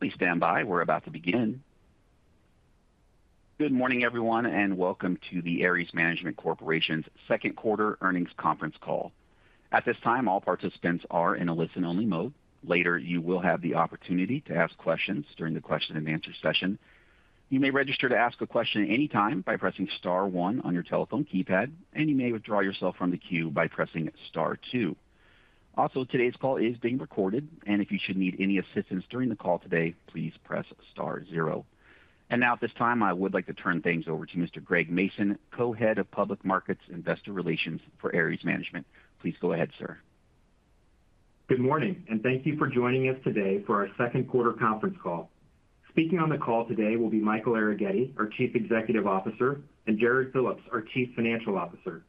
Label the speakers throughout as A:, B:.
A: Please stand by. We're about to begin. Good morning, everyone, and welcome to the Ares Management Corporation's second quarter earnings conference call. At this time, all participants are in a listen-only mode. Later, you will have the opportunity to ask questions during the question-and-answer session. You may register to ask a question at any time by pressing star one on your telephone keypad, and you may withdraw yourself from the queue by pressing star two. Also, today's call is being recorded, and if you should need any assistance during the call today, please press star zero. Now, at this time, I would like to turn things over to Mr. Greg Mason, Co-Head of Public Markets Investor Relations for Ares Management. Please go ahead, sir.
B: Good morning, and thank you for joining us today for our second quarter conference call. Speaking on the call today will be Michael Arougheti, our Chief Executive Officer, and Jarrod Phillips, our Chief Financial Officer.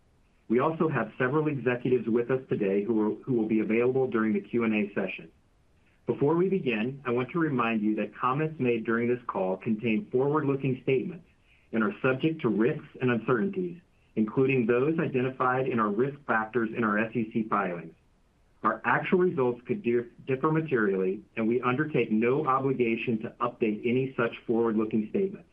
B: We also have several executives with us today who will be available during the Q&A session. Before we begin, I want to remind you that comments made during this call contain forward-looking statements and are subject to risks and uncertainties, including those identified in our risk factors in our SEC filings. Our actual results could differ materially, and we undertake no obligation to update any such forward-looking statements.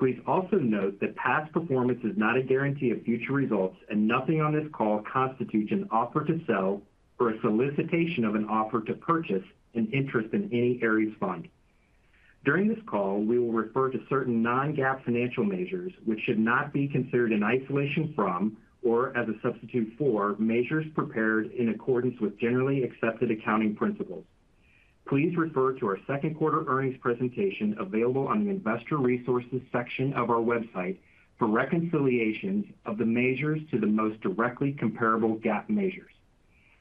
B: Please also note that past performance is not a guarantee of future results, and nothing on this call constitutes an offer to sell or a solicitation of an offer to purchase an interest in any Ares fund. During this call, we will refer to certain non-GAAP financial measures, which should not be considered in isolation from, or as a substitute for, measures prepared in accordance with generally accepted accounting principles. Please refer to our second quarter earnings presentation, available on the Investor Resources section of our website, for reconciliations of the measures to the most directly comparable GAAP measures.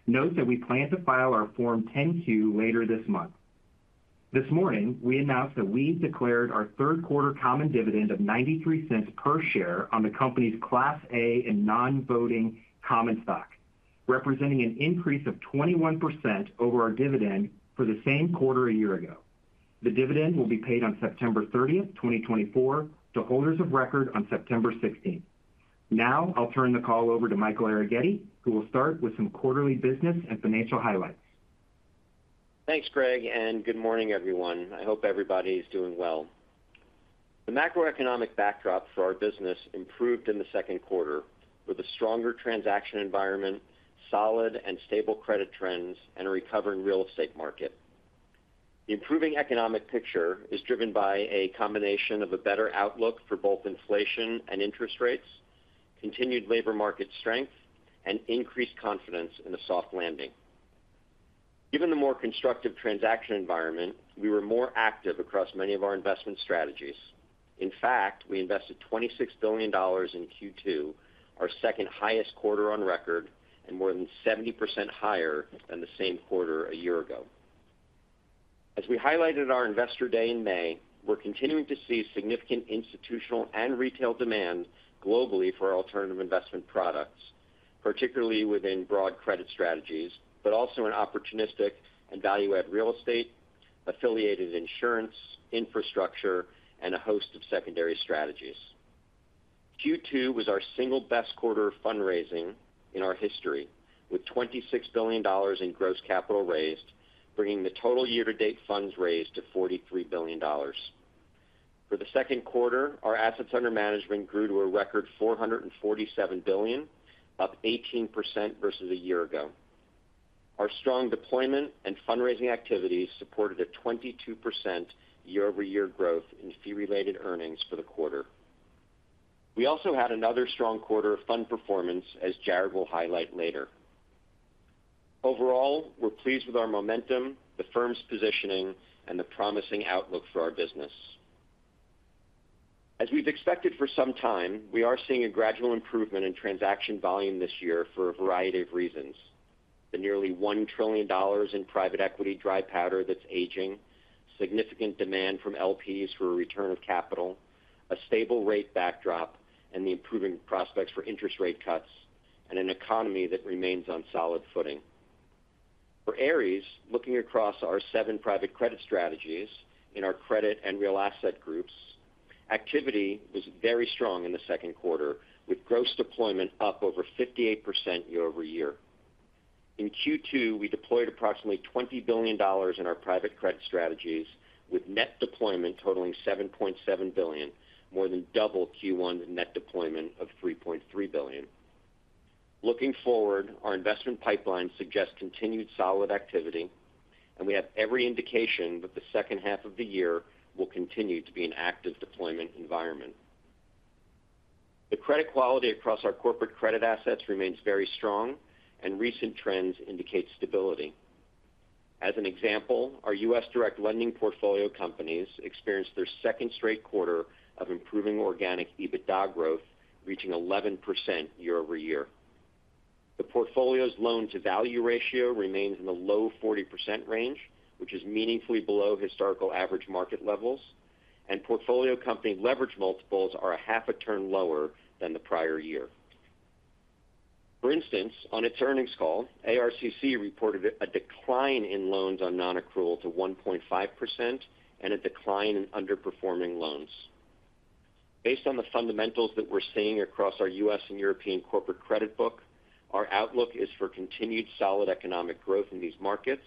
B: Note that we plan to file our Form 10-Q later this month. This morning, we announced that we've declared our third quarter common dividend of $0.93 per share on the company's Class A and non-voting common stock, representing an increase of 21% over our dividend for the same quarter a year ago. The dividend will be paid on September 30th, 2024, to holders of record on September 16th. Now I'll turn the call over to Michael Arougheti, who will start with some quarterly business and financial highlights.
C: Thanks, Greg, and good morning, everyone. I hope everybody's doing well. The macroeconomic backdrop for our business improved in the second quarter with a stronger transaction environment, solid and stable credit trends, and a recovering real estate market. The improving economic picture is driven by a combination of a better outlook for both inflation and interest rates, continued labor market strength, and increased confidence in a soft landing. Given the more constructive transaction environment, we were more active across many of our investment strategies. In fact, we invested $26 billion in Q2, our second highest quarter on record, and more than 70% higher than the same quarter a year ago. As we highlighted at our Investor Day in May, we're continuing to see significant institutional and retail demand globally for alternative investment products, particularly within broad credit strategies, but also in opportunistic and value-add real estate, affiliated insurance, infrastructure, and a host of secondary strategies. Q2 was our single best quarter of fundraising in our history, with $26 billion in gross capital raised, bringing the total year-to-date funds raised to $43 billion. For the second quarter, our assets under management grew to a record $447 billion, up 18% versus a year ago. Our strong deployment and fundraising activities supported a 22% year-over-year growth in fee-related earnings for the quarter. We also had another strong quarter of fund performance, as Jarrod will highlight later. Overall, we're pleased with our momentum, the firm's positioning, and the promising outlook for our business. As we've expected for some time, we are seeing a gradual improvement in transaction volume this year for a variety of reasons. The nearly $1 trillion in private equity dry powder that's aging, significant demand from LPs for a return of capital, a stable rate backdrop, and the improving prospects for interest rate cuts, and an economy that remains on solid footing. For Ares, looking across our seven private credit strategies in our credit and real asset groups, activity was very strong in the second quarter, with gross deployment up over 58% year-over-year. In Q2, we deployed approximately $20 billion in our private credit strategies, with net deployment totaling $7.7 billion, more than double Q1 net deployment of $3.3 billion. Looking forward, our investment pipeline suggests continued solid activity, and we have every indication that the second half of the year will continue to be an active deployment environment. The credit quality across our corporate credit assets remains very strong, and recent trends indicate stability. As an example, our U.S. direct lending portfolio companies experienced their second straight quarter of improving organic EBITDA growth, reaching 11% year-over-year. The portfolio's loan-to-value ratio remains in the low 40% range, which is meaningfully below historical average market levels, and portfolio company leverage multiples are a half a turn lower than the prior year. For instance, on its earnings call, ARCC reported a decline in loans on non-accrual to 1.5% and a decline in underperforming loans. Based on the fundamentals that we're seeing across our U.S. and European corporate credit book, our outlook is for continued solid economic growth in these markets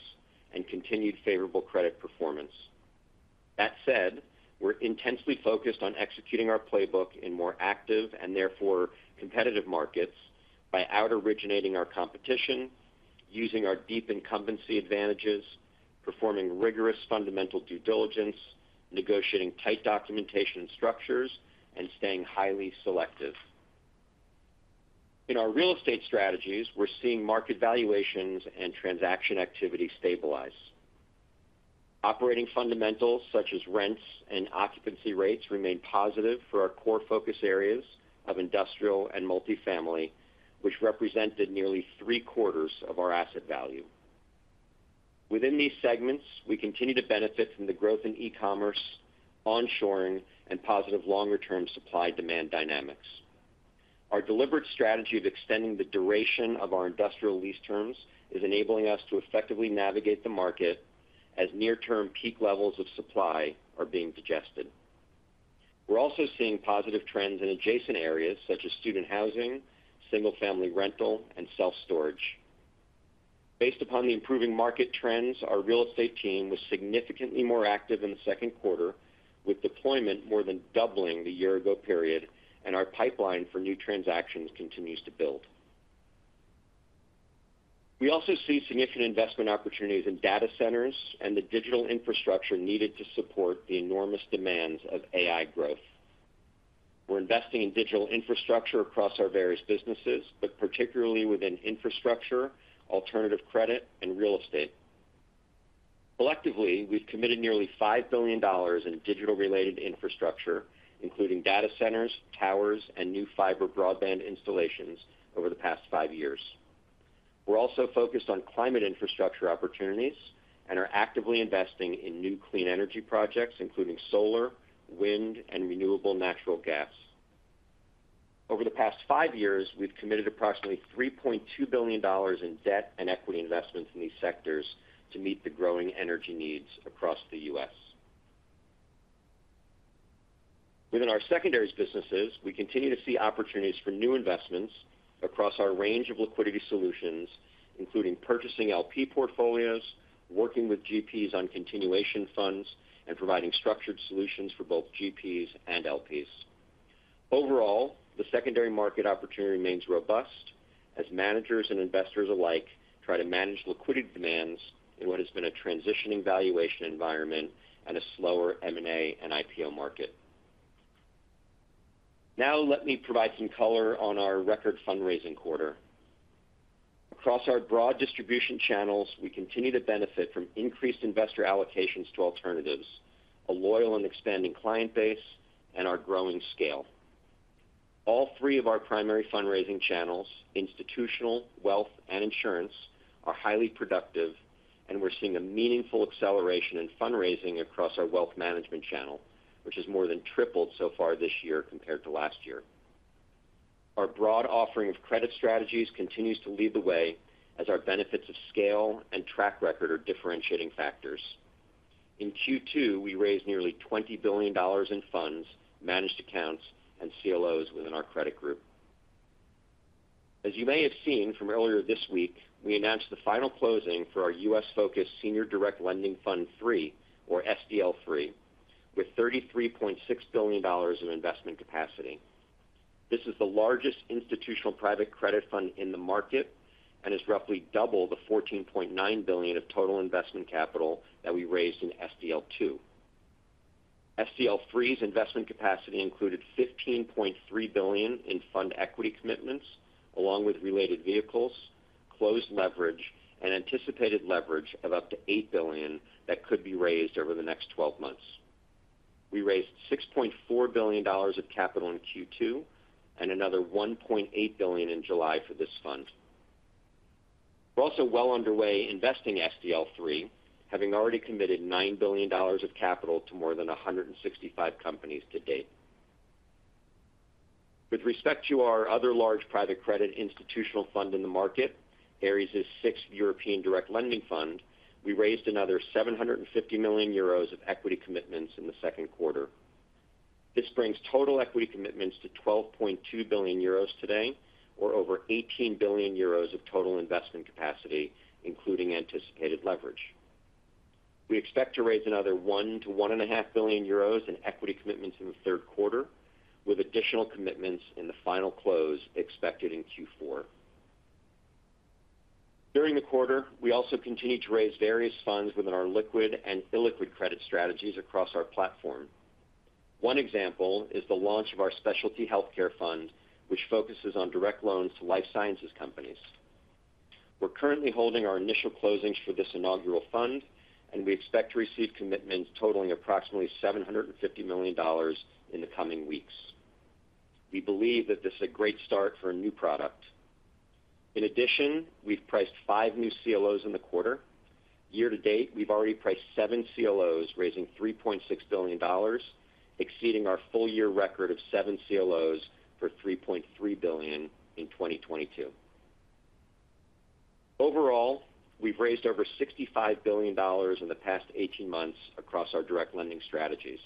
C: and continued favorable credit performance. That said, we're intensely focused on executing our playbook in more active and therefore competitive markets by out-originating our competition, using our deep incumbency advantages, performing rigorous fundamental due diligence, negotiating tight documentation and structures, and staying highly selective. In our real estate strategies, we're seeing market valuations and transaction activity stabilize. Operating fundamentals, such as rents and occupancy rates, remain positive for our core focus areas of industrial and multifamily, which represented nearly three-quarters of our asset value. Within these segments, we continue to benefit from the growth in e-commerce, onshoring, and positive longer-term supply-demand dynamics. Our deliberate strategy of extending the duration of our industrial lease terms is enabling us to effectively navigate the market as near-term peak levels of supply are being digested. We're also seeing positive trends in adjacent areas such as student housing, single-family rental, and self-storage. Based upon the improving market trends, our real estate team was significantly more active in the second quarter, with deployment more than doubling the year-ago period, and our pipeline for new transactions continues to build. We also see significant investment opportunities in data centers and the digital infrastructure needed to support the enormous demands of AI growth. We're investing in digital infrastructure across our various businesses, but particularly within infrastructure, alternative credit, and real estate. Collectively, we've committed nearly $5 billion in digital-related infrastructure, including data centers, towers, and new fiber broadband installations over the past five years. We're also focused on climate infrastructure opportunities and are actively investing in new clean energy projects, including solar, wind, and renewable natural gas. Over the past five years, we've committed approximately $3.2 billion in debt and equity investments in these sectors to meet the growing energy needs across the U.S. Within our secondaries businesses, we continue to see opportunities for new investments across our range of liquidity solutions, including purchasing LP portfolios, working with GPs on continuation funds, and providing structured solutions for both GPs and LPs. Overall, the secondary market opportunity remains robust as managers and investors alike try to manage liquidity demands in what has been a transitioning valuation environment and a slower M&A and IPO market. Now let me provide some color on our record fundraising quarter. Across our broad distribution channels, we continue to benefit from increased investor allocations to alternatives, a loyal and expanding client base, and our growing scale. All three of our primary fundraising channels, institutional, wealth, and insurance, are highly productive, and we're seeing a meaningful acceleration in fundraising across our wealth management channel, which has more than tripled so far this year compared to last year. Our broad offering of credit strategies continues to lead the way as our benefits of scale and track record are differentiating factors. In Q2, we raised nearly $20 billion in funds, managed accounts, and CLOs within our credit group. As you may have seen from earlier this week, we announced the final closing for our U.S.-focused Senior Direct Lending Fund III, or SDL III, with $33.6 billion in investment capacity. This is the largest institutional private credit fund in the market and is roughly double the $14.9 billion of total investment capital that we raised in SDL II. SDL III's investment capacity included $15.3 billion in fund equity commitments, along with related vehicles, closed leverage, and anticipated leverage of up to $8 billion that could be raised over the next 12 months. We raised $6.4 billion of capital in Q2 and another $1.8 billion in July for this fund. We're also well underway investing SDL III, having already committed $9 billion of capital to more than 165 companies to date. With respect to our other large private credit institutional fund in the market, Ares' VI European Direct Lending Fund, we raised another 750 million euros of equity commitments in the second quarter. This brings total equity commitments to 12.2 billion euros today, or over 18 billion euros of total investment capacity, including anticipated leverage. We expect to raise another 1 billion-1.5 billion euros in equity commitments in the third quarter, with additional commitments in the final close expected in Q4. During the quarter, we also continued to raise various funds within our liquid and illiquid credit strategies across our platform. One example is the launch of our specialty healthcare fund, which focuses on direct loans to life sciences companies. We're currently holding our initial closings for this inaugural fund, and we expect to receive commitments totaling approximately $750 million in the coming weeks. We believe that this is a great start for a new product. In addition, we've priced 5 new CLOs in the quarter. Year to date, we've already priced 7 CLOs, raising $3.6 billion, exceeding our full-year record of 7 CLOs for $3.3 billion in 2022. Overall, we've raised over $65 billion in the past 18 months across our direct lending strategies.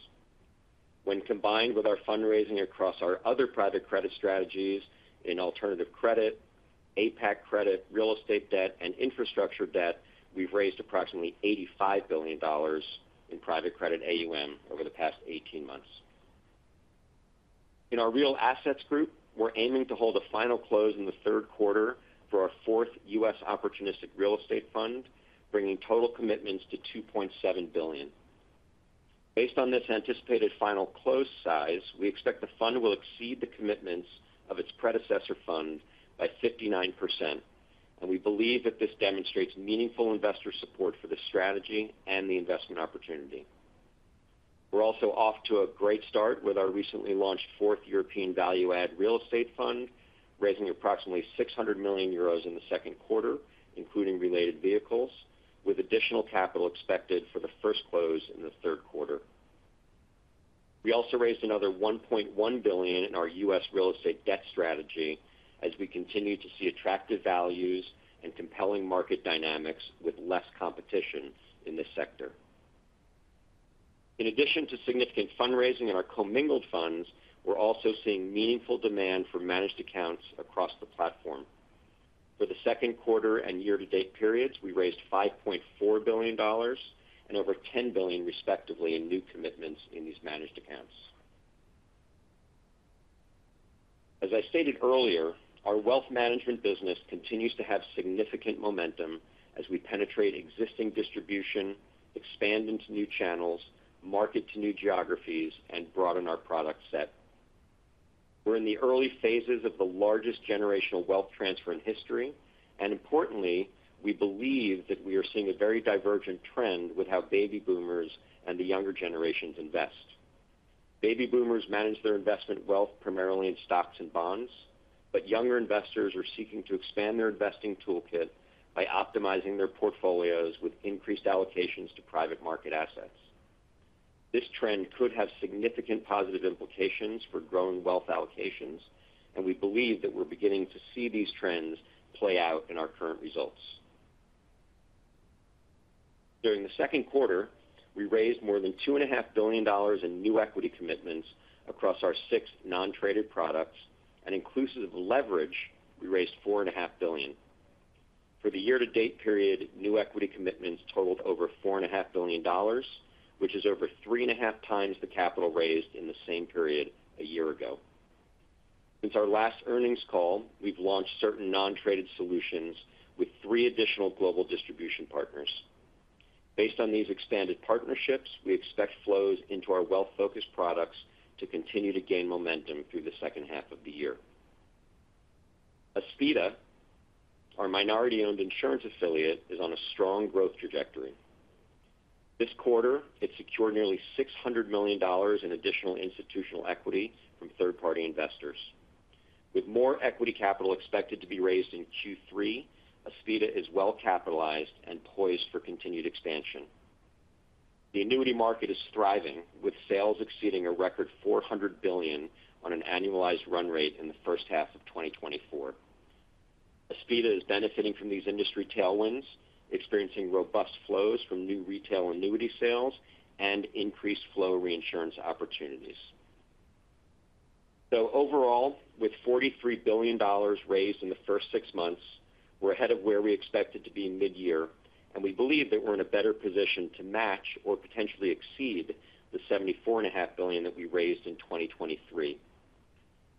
C: When combined with our fundraising across our other private credit strategies in alternative credit, APAC credit, real estate debt, and infrastructure debt, we've raised approximately $85 billion in private credit AUM over the past 18 months. In our real assets group, we're aiming to hold a final close in the third quarter for our fourth U.S. opportunistic real estate fund, bringing total commitments to $2.7 billion. Based on this anticipated final close size, we expect the fund will exceed the commitments of its predecessor fund by 59%, and we believe that this demonstrates meaningful investor support for the strategy and the investment opportunity. We're also off to a great start with our recently launched fourth European value-add real estate fund, raising approximately 600 million euros in the second quarter, including related vehicles, with additional capital expected for the first close in the third quarter. We also raised another $1.1 billion in our U.S. real estate debt strategy as we continue to see attractive values and compelling market dynamics with less competition in this sector. In addition to significant fundraising in our commingled funds, we're also seeing meaningful demand for managed accounts across the platform. For the second quarter and year-to-date periods, we raised $5.4 billion and over $10 billion, respectively, in new commitments in these managed accounts. As I stated earlier, our wealth management business continues to have significant momentum as we penetrate existing distribution, expand into new channels, market to new geographies, and broaden our product set. We're in the early phases of the largest generational wealth transfer in history, and importantly, we believe that we are seeing a very divergent trend with how baby boomers and the younger generations invest. Baby boomers manage their investment wealth primarily in stocks and bonds, but younger investors are seeking to expand their investing toolkit by optimizing their portfolios with increased allocations to private market assets. This trend could have significant positive implications for growing wealth allocations, and we believe that we're beginning to see these trends play out in our current results. During the second quarter, we raised more than $2.5 billion in new equity commitments across our six non-traded products, and inclusive leverage, we raised $4.5 billion. For the year-to-date period, new equity commitments totaled over $4.5 billion, which is over 3.5x the capital raised in the same period a year ago. Since our last earnings call, we've launched certain non-traded solutions with three additional global distribution partners. Based on these expanded partnerships, we expect flows into our wealth-focused products to continue to gain momentum through the second half of the year. Aspida, our minority-owned insurance affiliate, is on a strong growth trajectory. This quarter, it secured nearly $600 million in additional institutional equity from third-party investors. With more equity capital expected to be raised in Q3, Aspida is well capitalized and poised for continued expansion. The annuity market is thriving, with sales exceeding a record $400 billion on an annualized run rate in the first half of 2024. Aspida is benefiting from these industry tailwinds, experiencing robust flows from new retail annuity sales and increased flow reinsurance opportunities. So overall, with $43 billion raised in the first six months, we're ahead of where we expected to be in midyear, and we believe that we're in a better position to match or potentially exceed the $74.5 billion that we raised in 2023.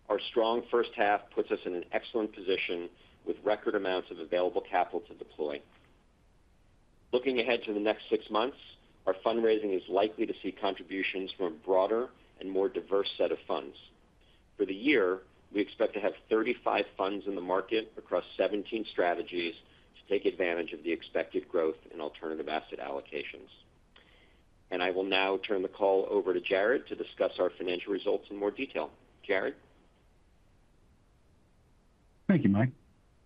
C: Our strong first half puts us in an excellent position with record amounts of available capital to deploy. Looking ahead to the next six months, our fundraising is likely to see contributions from a broader and more diverse set of funds. For the year, we expect to have 35 funds in the market across 17 strategies to take advantage of the expected growth in alternative asset allocations. And I will now turn the call over to Jarrod to discuss our financial results in more detail. Jarrod?
D: Thank you, Mike,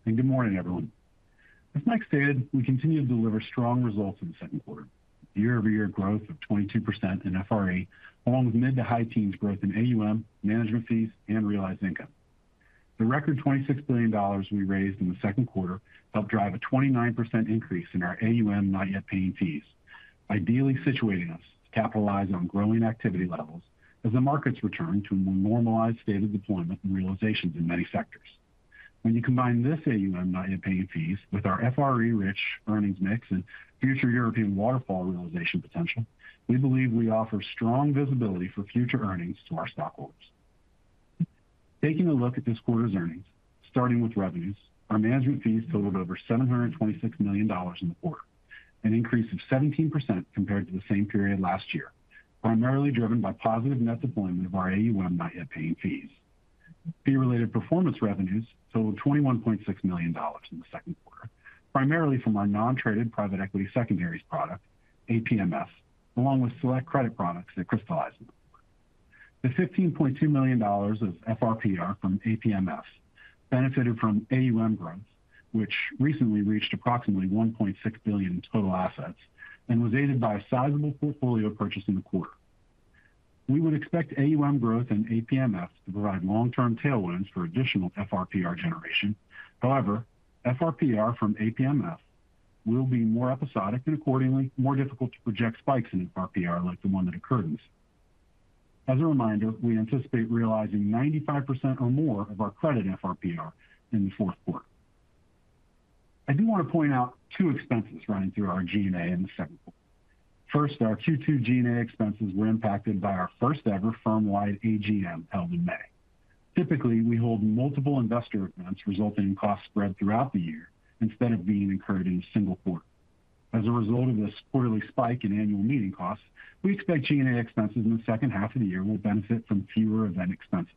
D: and good morning, everyone. As Mike stated, we continue to deliver strong results in the second quarter. Year-over-year growth of 22% in FRE, along with mid- to high-teens growth in AUM, management fees, and realized income. The record $26 billion we raised in the second quarter helped drive a 29% increase in our AUM, not yet paying fees, ideally situating us to capitalize on growing activity levels as the markets return to a more normalized state of deployment and realizations in many sectors. When you combine this AUM not yet paying fees with our FRE-rich earnings mix and future European waterfall realization potential, we believe we offer strong visibility for future earnings to our stockholders. Taking a look at this quarter's earnings, starting with revenues, our management fees totaled over $726 million in the quarter, an increase of 17% compared to the same period last year, primarily driven by positive net deployment of our AUM not yet paying fees. Fee-related performance revenues totaled $21.6 million in the second quarter, primarily from our non-traded private equity secondaries product, APMF, along with select credit products that crystallized. The $15.2 million of FRPR from APMF benefited from AUM growth, which recently reached approximately $1.6 billion in total assets and was aided by a sizable portfolio purchase in the quarter. We would expect AUM growth and APMF to provide long-term tailwinds for additional FRPR generation. However, FRPR from APMF will be more episodic and accordingly, more difficult to project spikes in FRPR like the one that occurred. As a reminder, we anticipate realizing 95% or more of our credit FRPR in the fourth quarter. I do want to point out two expenses running through our G&A in the second quarter. First, our Q2 G&A expenses were impacted by our first-ever firm-wide AGM held in May. Typically, we hold multiple investor events resulting in costs spread throughout the year instead of being incurred in a single quarter. As a result of this quarterly spike in annual meeting costs, we expect G&A expenses in the second half of the year will benefit from fewer event expenses.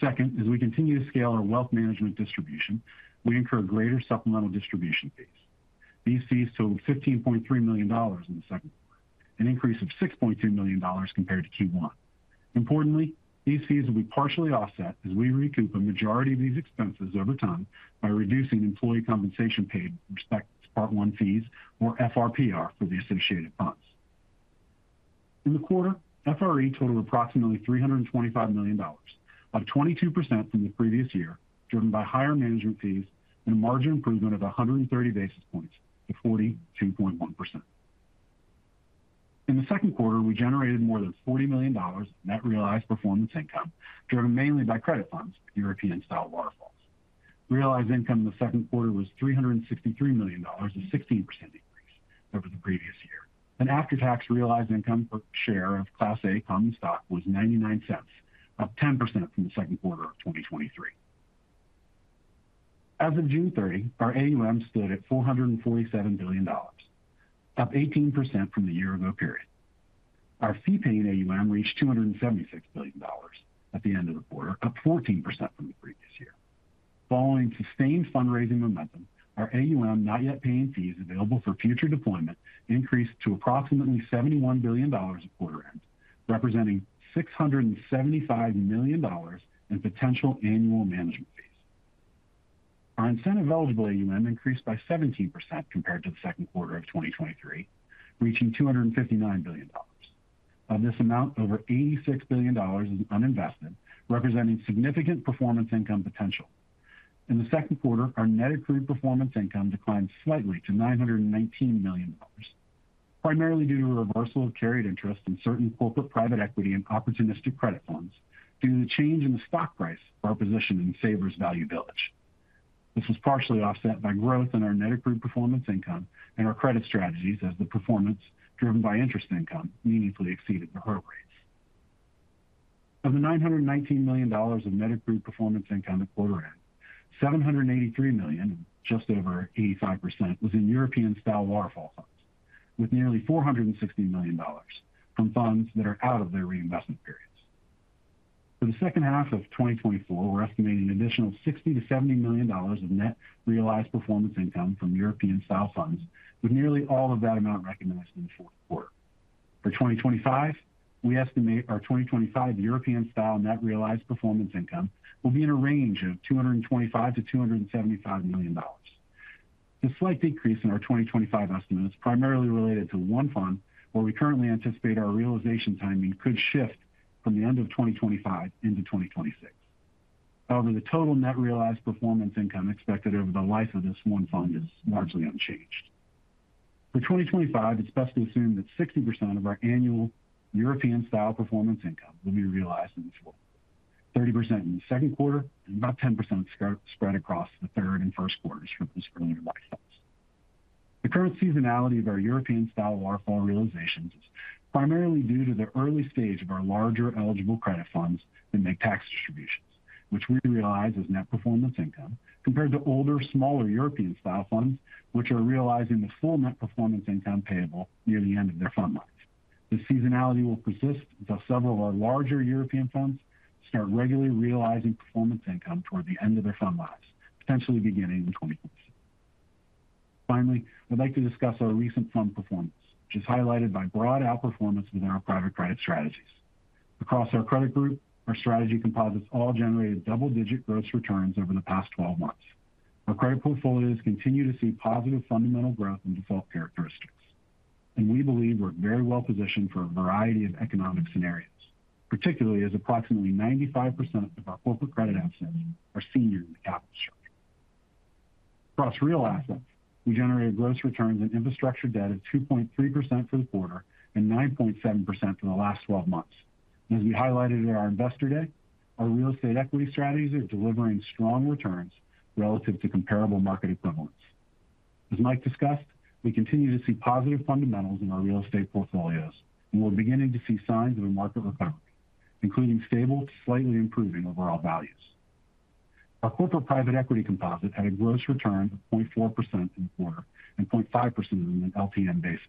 D: Second, as we continue to scale our wealth management distribution, we incur greater supplemental distribution fees. These fees totaled $15.3 million in the second quarter, an increase of $6.2 million compared to Q1. Importantly, these fees will be partially offset as we recoup a majority of these expenses over time by reducing employee compensation paid with respect to placement fees or FRPR for the associated funds. In the quarter, FRE totaled approximately $325 million, up 22% from the previous year, driven by higher management fees and a margin improvement of 100 basis points to 42.1%. In the second quarter, we generated more than $40 million in net realized performance income, driven mainly by credit funds, European-style waterfalls. Realized income in the second quarter was $363 million, a 16% increase over the previous year, and after-tax realized income per share of Class A common stock was $0.99, up 10% from the second quarter of 2023. As of June 30, our AUM stood at $447 billion, up 18% from the year-ago period. Our fee-paying AUM reached $276 billion at the end of the quarter, up 14% from the previous year. Following sustained fundraising momentum, our AUM, not yet paying fees available for future deployment, increased to approximately $71 billion at quarter end, representing $675 million in potential annual management fees. Our incentive-eligible AUM increased by 17% compared to the second quarter of 2023, reaching $259 billion. Of this amount, over $86 billion is uninvested, representing significant performance income potential. In the second quarter, our net accrued performance income declined slightly to $919 million, primarily due to a reversal of carried interest in certain corporate private equity and opportunistic credit funds due to the change in the stock price for our position in Savers Value Village. This was partially offset by growth in our net accrued performance income and our credit strategies as the performance, driven by interest income, meaningfully exceeded the hurdle rates. Of the $919 million of net approved performance income at quarter end, $783 million, just over 85%, was in European-style waterfall funds, with nearly $460 million from funds that are out of their reinvestment periods. For the second half of 2024, we're estimating an additional $60 million-$70 million of net realized performance income from European-style funds, with nearly all of that amount recognized in the fourth quarter. For 2025, we estimate our 2025 European style net realized performance income will be in a range of $225 million-$275 million. The slight decrease in our 2025 estimate is primarily related to one fund, where we currently anticipate our realization timing could shift from the end of 2025 into 2026. However, the total net realized performance income expected over the life of this one fund is largely unchanged. For 2025, it's best to assume that 60% of our annual European-style performance income will be realized in the fourth, 30% in the second quarter, and about 10% spread across the third and first quarters from this linear lifecycle. The current seasonality of our European-style waterfall realizations is primarily due to the early stage of our larger eligible credit funds that make tax distributions, which we realize as net performance income, compared to older, smaller European-style funds, which are realizing the full net performance income payable near the end of their fund lives. This seasonality will persist until several of our larger European funds start regularly realizing performance income toward the end of their fund lives, potentially beginning in 2025. Finally, I'd like to discuss our recent fund performance, which is highlighted by broad outperformance within our private credit strategies. Across our credit group, our strategy composites all generated double-digit gross returns over the past 12 months. Our credit portfolios continue to see positive fundamental growth and default characteristics, and we believe we're very well positioned for a variety of economic scenarios, particularly as approximately 95% of our corporate credit assets are senior in the capital structure. Across real assets, we generated gross returns in infrastructure debt of 2.3% for the quarter and 9.7% for the last 12 months. As we highlighted at our Investor Day, our real estate equity strategies are delivering strong returns relative to comparable market equivalents. As Mike discussed, we continue to see positive fundamentals in our real estate portfolios, and we're beginning to see signs of a market recovery, including stable, slightly improving overall values. Our corporate private equity composite had a gross return of 0.4% in the quarter and 0.5% on an LTM basis.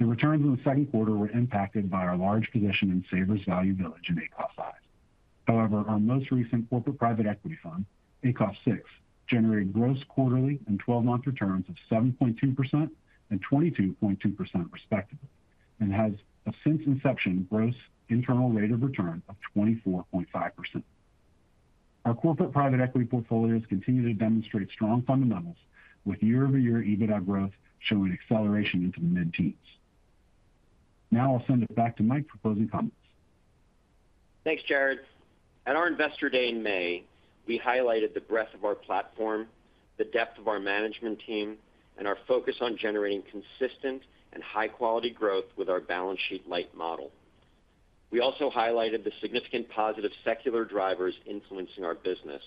D: The returns in the second quarter were impacted by our large position in Savers Value Village in ACoF V. However, our most recent corporate private equity fund, ACoF VI, generated gross quarterly and twelve-month returns of 7.2% and 22.2%, respectively, and has a since inception gross internal rate of return of 24.5%. Our corporate private equity portfolios continue to demonstrate strong fundamentals, with year-over-year EBITDA growth showing acceleration into the mid-teens. Now I'll send it back to Mike for closing comments.
C: Thanks, Jarrod. At our Investor Day in May, we highlighted the breadth of our platform, the depth of our management team, and our focus on generating consistent and high-quality growth with our balance sheet light model. We also highlighted the significant positive secular drivers influencing our business,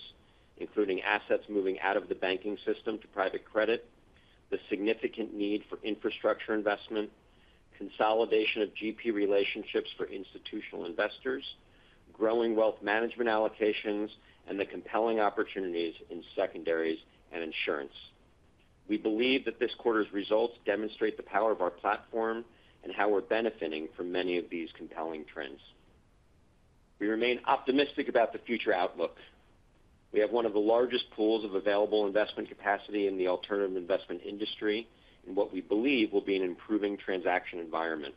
C: including assets moving out of the banking system to private credit, the significant need for infrastructure investment, consolidation of GP relationships for institutional investors, growing wealth management allocations, and the compelling opportunities in secondaries and insurance. We believe that this quarter's results demonstrate the power of our platform and how we're benefiting from many of these compelling trends. We remain optimistic about the future outlook. We have one of the largest pools of available investment capacity in the alternative investment industry, and what we believe will be an improving transaction environment.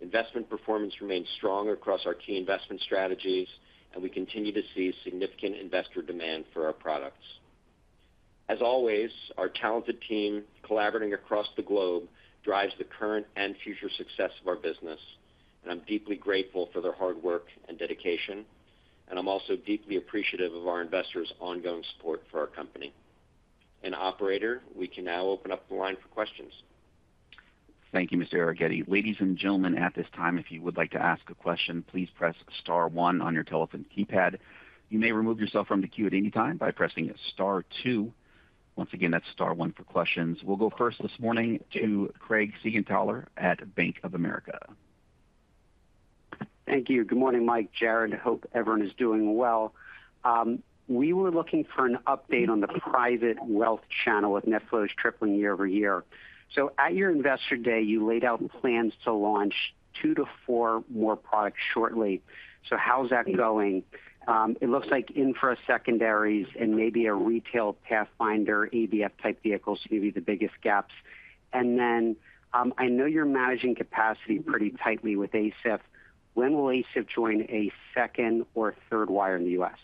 C: Investment performance remains strong across our key investment strategies, and we continue to see significant investor demand for our products. As always, our talented team, collaborating across the globe, drives the current and future success of our business, and I'm deeply grateful for their hard work and dedication, and I'm also deeply appreciative of our investors' ongoing support for our company. Operator, we can now open up the line for questions.
A: Thank you, Mr. Arougheti. Ladies and gentlemen, at this time, if you would like to ask a question, please press star one on your telephone keypad. You may remove yourself from the queue at any time by pressing star two. Once again, that's star one for questions. We'll go first this morning to Craig Siegenthaler at Bank of America.
E: Thank you. Good morning, Mike, Jarrod. I hope everyone is doing well. We were looking for an update on the private wealth channel with net flows tripling year-over-year. So at your Investor Day, you laid out plans to launch two to four more products shortly. So how's that going? It looks like infra secondaries and maybe a retail pathfinder, ABF-type vehicles to be the biggest gaps. And then, I know you're managing capacity pretty tightly with ASIF. When will ASIF join a second or third wire in the U.S.?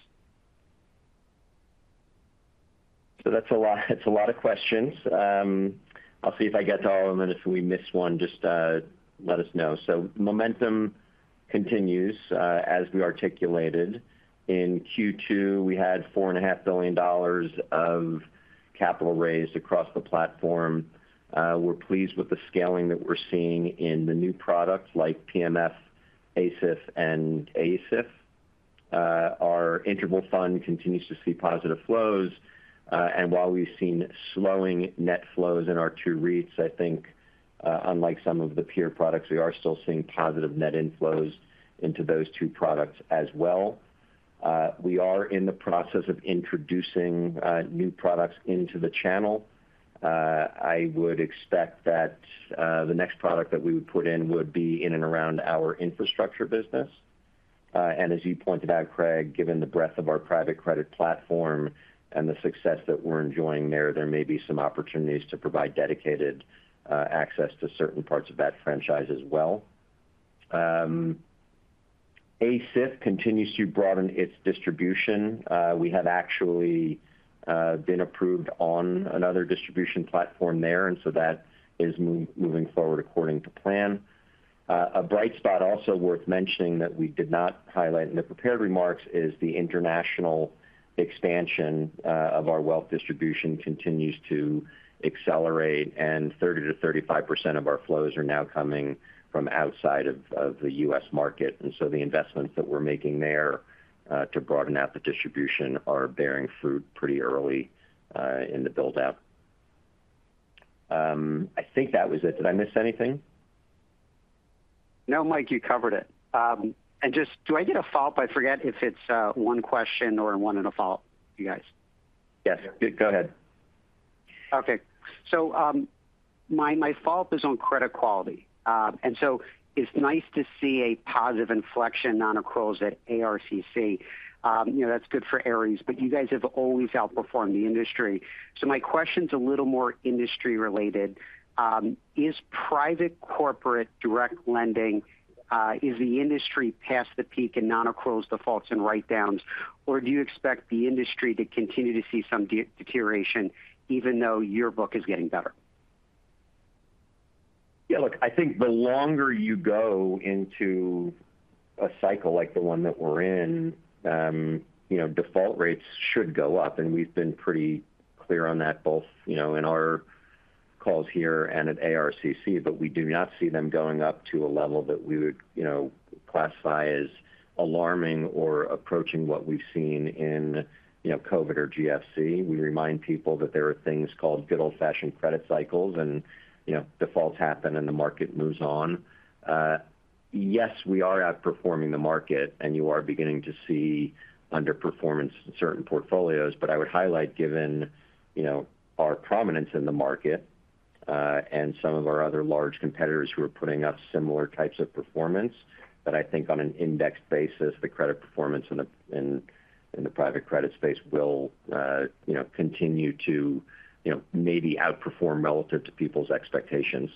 C: So that's a lot. That's a lot of questions. I'll see if I get to all of them, and if we miss one, just let us know. Momentum continues. As we articulated, in Q2, we had $4.5 billion of capital raised across the platform. We're pleased with the scaling that we're seeing in the new products like PMF, ASIF, and ASIF. Our interval fund continues to see positive flows. And while we've seen slowing net flows in our two REITs, I think, unlike some of the peer products, we are still seeing positive net inflows into those two products as well. We are in the process of introducing new products into the channel. I would expect that the next product that we would put in would be in and around our infrastructure business. And as you pointed out, Craig, given the breadth of our private credit platform and the success that we're enjoying there, there may be some opportunities to provide dedicated access to certain parts of that franchise as well. ASIF continues to broaden its distribution. We have actually been approved on another distribution platform there, and so that is moving forward according to plan. A bright spot also worth mentioning that we did not highlight in the prepared remarks is the international expansion of our wealth distribution continues to accelerate, and 30%-35% of our flows are now coming from outside of the U.S. market. And so the investments that we're making there to broaden out the distribution are bearing fruit pretty early in the build-out. I think that was it. Did I miss anything?
E: No, Mike, you covered it. And just do I get a follow-up? I forget if it's one question or one and a follow-up, you guys.
C: Yes, go ahead.
E: Okay. So my follow-up is on credit quality. And so it's nice to see a positive inflection on accruals at ARCC. You know, that's good for Ares, but you guys have always outperformed the industry. So my question's a little more industry-related. Is private corporate direct lending, is the industry past the peak in non-accruals defaults and write-downs, or do you expect the industry to continue to see some deterioration, even though your book is getting better?
C: Yeah, look, I think the longer you go into a cycle like the one that we're in, you know, default rates should go up, and we've been pretty clear on that, both, you know, in our calls here and at ARCC, but we do not see them going up to a level that we would, you know, classify as alarming or approaching what we've seen in, you know, COVID or GFC. We remind people that there are things called good old-fashioned credit cycles, and, you know, defaults happen, and the market moves on. Yes, we are outperforming the market, and you are beginning to see underperformance in certain portfolios, but I would highlight, given, you know, our prominence in the market, and some of our other large competitors who are putting up similar types of performance. But I think on an index basis, the credit performance in the private credit space will, you know, continue to, you know, maybe outperform relative to people's expectations.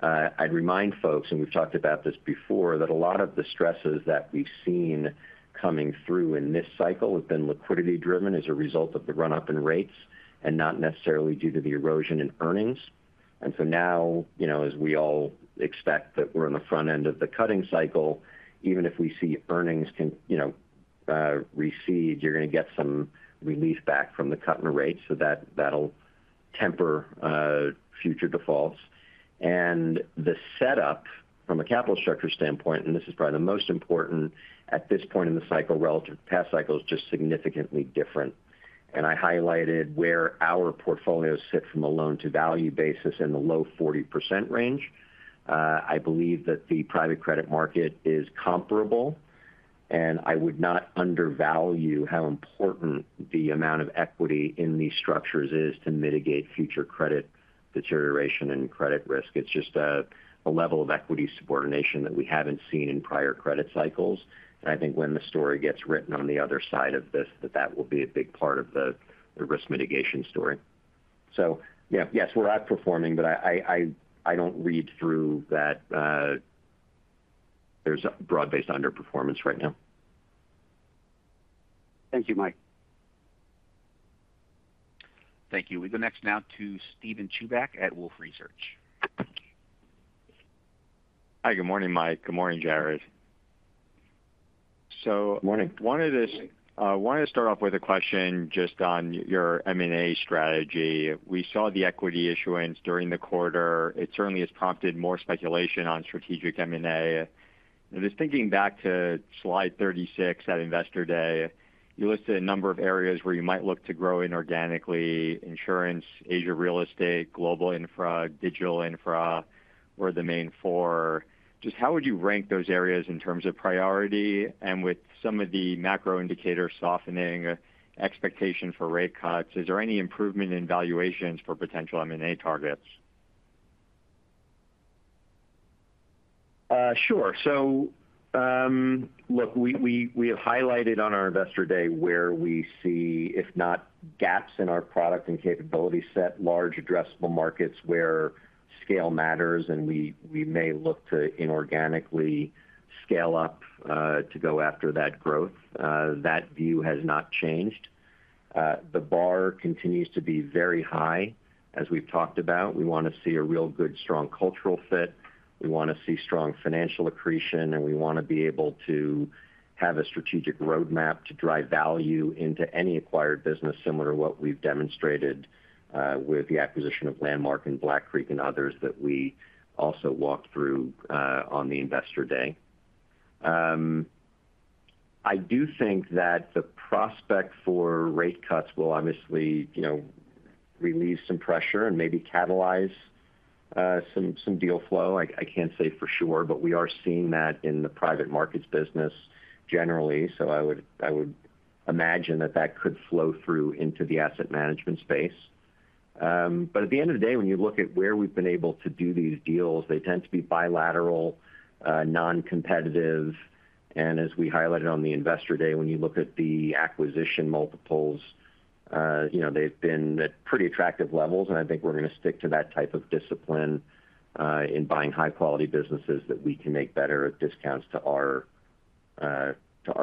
C: I'd remind folks, and we've talked about this before, that a lot of the stresses that we've seen coming through in this cycle have been liquidity driven as a result of the run-up in rates, and not necessarily due to the erosion in earnings. And so now, you know, as we all expect that we're on the front end of the cutting cycle, even if we see earnings can, you know, recede, you're going to get some relief back from the cut in rates, so that, that'll temper future defaults. The setup from a capital structure standpoint, and this is probably the most important at this point in the cycle, relative to past cycles, is just significantly different. I highlighted where our portfolios sit from a loan-to-value basis in the low 40% range. I believe that the private credit market is comparable, and I would not undervalue how important the amount of equity in these structures is to mitigate future credit deterioration and credit risk. It's just a level of equity subordination that we haven't seen in prior credit cycles. And I think when the story gets written on the other side of this, that that will be a big part of the risk mitigation story. Yeah, yes, we're outperforming, but I don't read through that, there's a broad-based underperformance right now.
E: Thank you, Mike.
A: Thank you. We go next now to Steven Chubak at Wolfe Research.
F: Hi, good morning, Mike. Good morning, Jarrod.
C: Morning.
F: So wanted to start off with a question just on your M&A strategy. We saw the equity issuance during the quarter. It certainly has prompted more speculation on strategic M&A. I was thinking back to slide 36 at Investor Day. You listed a number of areas where you might look to grow inorganically: insurance, Asia real estate, global infra, digital infra, were the main four. Just how would you rank those areas in terms of priority? And with some of the macro indicators softening expectation for rate cuts, is there any improvement in valuations for potential M&A targets?
C: Sure. So, look, we have highlighted on our Investor Day where we see, if not gaps in our product and capability set, large addressable markets where scale matters, and we may look to inorganically scale up, to go after that growth. That view has not changed. The bar continues to be very high. As we've talked about, we want to see a real good, strong cultural fit. We want to see strong financial accretion, and we want to be able to have a strategic roadmap to drive value into any acquired business, similar to what we've demonstrated, with the acquisition of Landmark and Black Creek and others that we also walked through, on the Investor Day. I do think that the prospect for rate cuts will obviously, you know, relieve some pressure and maybe catalyze some deal flow. I can't say for sure, but we are seeing that in the private markets business generally, so I would imagine that that could flow through into the asset management space. But at the end of the day, when you look at where we've been able to do these deals, they tend to be bilateral, non-competitive. And as we highlighted on the Investor Day, when you look at the acquisition multiples, you know, they've been at pretty attractive levels, and I think we're going to stick to that type of discipline in buying high-quality businesses that we can make better at discounts to our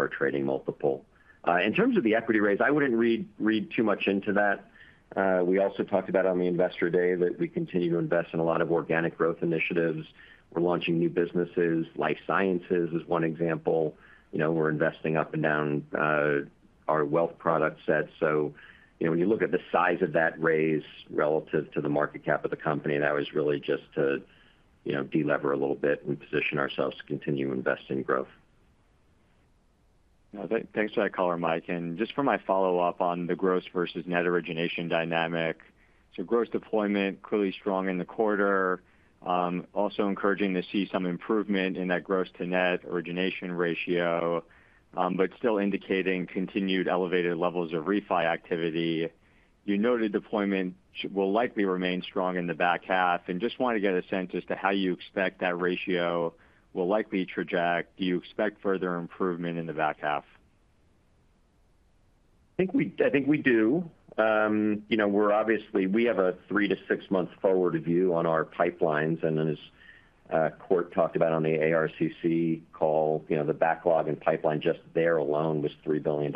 C: trading multiple. In terms of the equity raise, I wouldn't read, read too much into that. We also talked about on the Investor Day that we continue to invest in a lot of organic growth initiatives. We're launching new businesses. Life sciences is one example. You know, we're investing up and down our wealth product set. So, you know, when you look at the size of that raise relative to the market cap of the company, that was really just to, you know, delever a little bit and position ourselves to continue to invest in growth.
F: Thanks for that color, Mike. Just for my follow-up on the gross versus net origination dynamic. Gross deployment, clearly strong in the quarter. Also encouraging to see some improvement in that gross to net origination ratio, but still indicating continued elevated levels of refi activity. You noted deployment will likely remain strong in the back half, and just want to get a sense as to how you expect that ratio will likely trajectory. Do you expect further improvement in the back half?
C: I think we, I think we do. You know, we're obviously- we have a 3-month to 6-month forward view on our pipelines, and then as Cort talked about on the ARCC call, you know, the backlog and pipeline just there alone was $3 billion.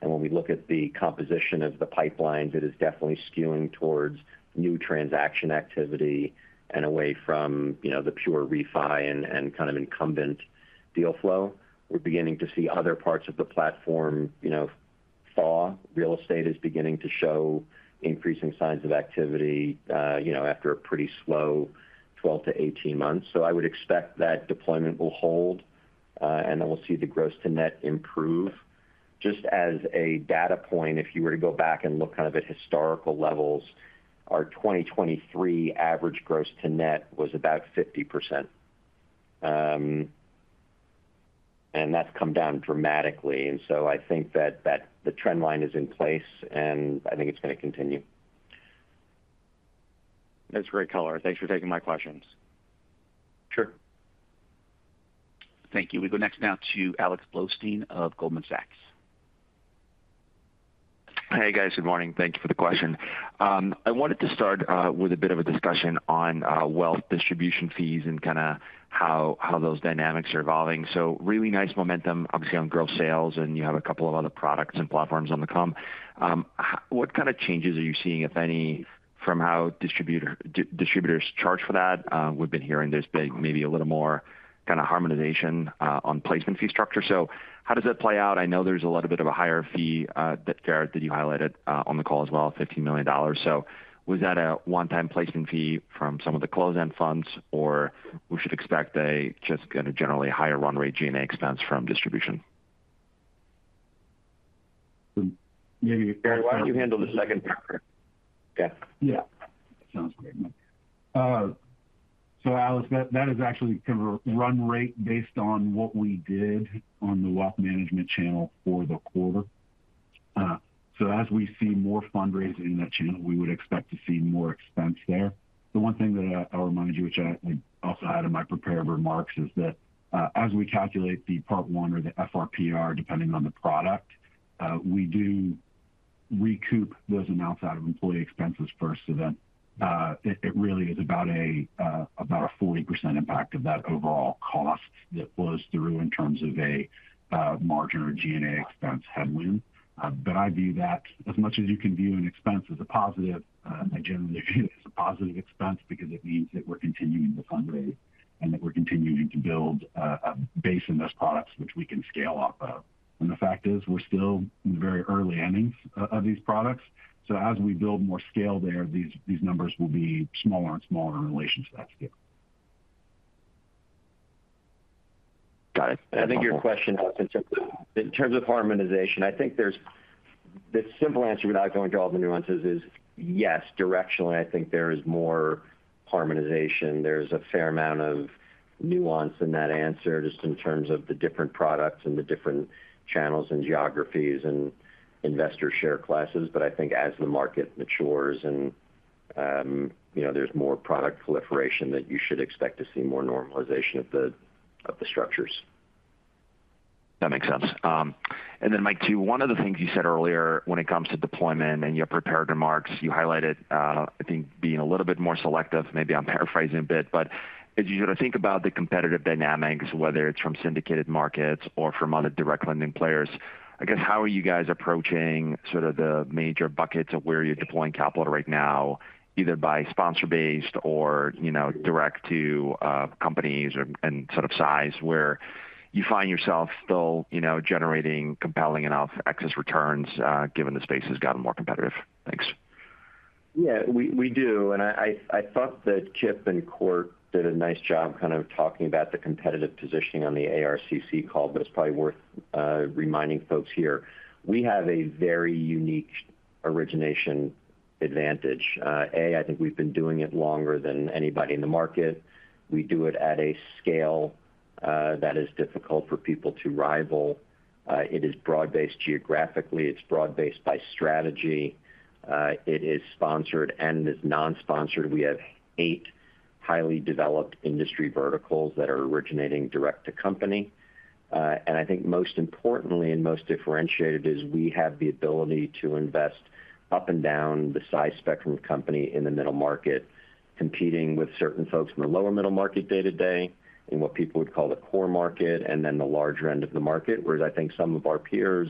C: And when we look at the composition of the pipelines, it is definitely skewing towards new transaction activity and away from, you know, the pure refi and kind of incumbent deal flow. We're beginning to see other parts of the platform, you know, thaw. Real estate is beginning to show increasing signs of activity, you know, after a pretty slow 12-18 months. So I would expect that deployment will hold, and then we'll see the gross to net improve. Just as a data point, if you were to go back and look kind of at historical levels, our 2023 average gross to net was about 50%. And that's come down dramatically. And so I think that, that the trend line is in place, and I think it's going to continue.
F: That's great color. Thanks for taking my questions.
C: Sure.
A: Thank you. We go next now to Alex Blostein of Goldman Sachs.
G: Hey, guys. Good morning. Thank you for the question. I wanted to start with a bit of a discussion on wealth distribution fees and kind of how those dynamics are evolving. So really nice momentum, obviously, on gross sales, and you have a couple of other products and platforms on the come. What kind of changes are you seeing, if any, from how distributors charge for that? We've been hearing there's been maybe a little more kind of harmonization on placement fee structure. So how does that play out? I know there's a little bit of a higher fee that Jarrod that you highlighted on the call as well, $15 million. Was that a 1x placement fee from some of the closed-end funds, or we should expect a just kind of generally higher run rate G&A expense from distribution?
C: Maybe, Jarrod, why don't you handle the second part? Yeah.
D: Yeah. Sounds great. So Alex, that, that is actually kind of a run rate based on what we did on the wealth management channel for the quarter. So as we see more fundraising in that channel, we would expect to see more expense there. The one thing that I will remind you, which I, I also had in my prepared remarks, is that, as we calculate the part one or the FRPR, depending on the product, we do recoup those amounts out of employee expenses first. So then, it, it really is about a, about a 40% impact of that overall cost that flows through in terms of a, margin or G&A expense headwind. But I view that as much as you can view an expense as a positive, I generally view it as a positive expense because it means that we're continuing to fundraise and that we're continuing to build, a base in those products which we can scale off of. And the fact is, we're still in the very early innings of these products, so as we build more scale there, these, these numbers will be smaller and smaller in relation to that scale.
G: Got it.
C: I think your question, Alex, in terms of, in terms of harmonization, I think there's. The simple answer, without going into all the nuances, is yes, directionally, I think there is more harmonization. There's a fair amount of nuance in that answer, just in terms of the different products and the different channels and geographies and investor share classes. But I think as the market matures and, you know, there's more product proliferation, that you should expect to see more normalization of the, of the structures.
G: That makes sense. And then, Mike, too, one of the things you said earlier when it comes to deployment in your prepared remarks, you highlighted, I think being a little bit more selective, maybe I'm paraphrasing a bit. But as you sort of think about the competitive dynamics, whether it's from syndicated markets or from other direct lending players, I guess, how are you guys approaching sort of the major buckets of where you're deploying capital right now, either by sponsor-based or, you know, direct to, companies and, and sort of size, where you find yourself still, you know, generating compelling enough excess returns, given the space has gotten more competitive? Thanks.
C: Yeah, we do. And I thought that Kipp and Cort did a nice job kind of talking about the competitive positioning on the ARCC call, but it's probably worth reminding folks here. We have a very unique origination advantage. I think we've been doing it longer than anybody in the market. We do it at a scale that is difficult for people to rival. It is broad-based geographically. It's broad-based by strategy. It is sponsored and is non-sponsored. We have eight highly developed industry verticals that are originating direct to company. And I think most importantly, and most differentiated, is we have the ability to invest up and down the size spectrum of company in the middle market, competing with certain folks in the lower middle market day-to-day, in what people would call the core market, and then the larger end of the market. Whereas I think some of our peers,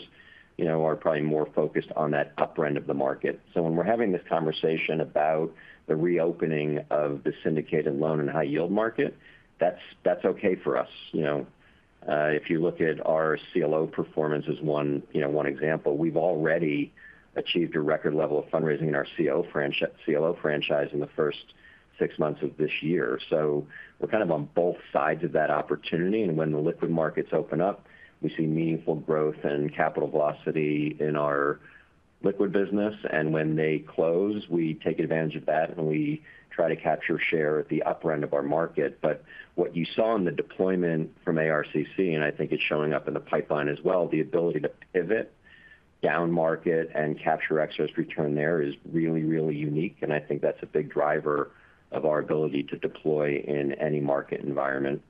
C: you know, are probably more focused on that upper end of the market. So when we're having this conversation about the reopening of the syndicated loan and high yield market, that's, that's okay for us. You know, if you look at our CLO performance as one, you know, one example, we've already achieved a record level of fundraising in our CLO franchise in the first six months of this year. So we're kind of on both sides of that opportunity, and when the liquid markets open up, we see meaningful growth and capital velocity in our liquid business, and when they close, we take advantage of that, and we try to capture share at the upper end of our market. But what you saw in the deployment from ARCC, and I think it's showing up in the pipeline as well, the ability to pivot down market and capture excess return there is really, really unique, and I think that's a big driver of our ability to deploy in any market environment.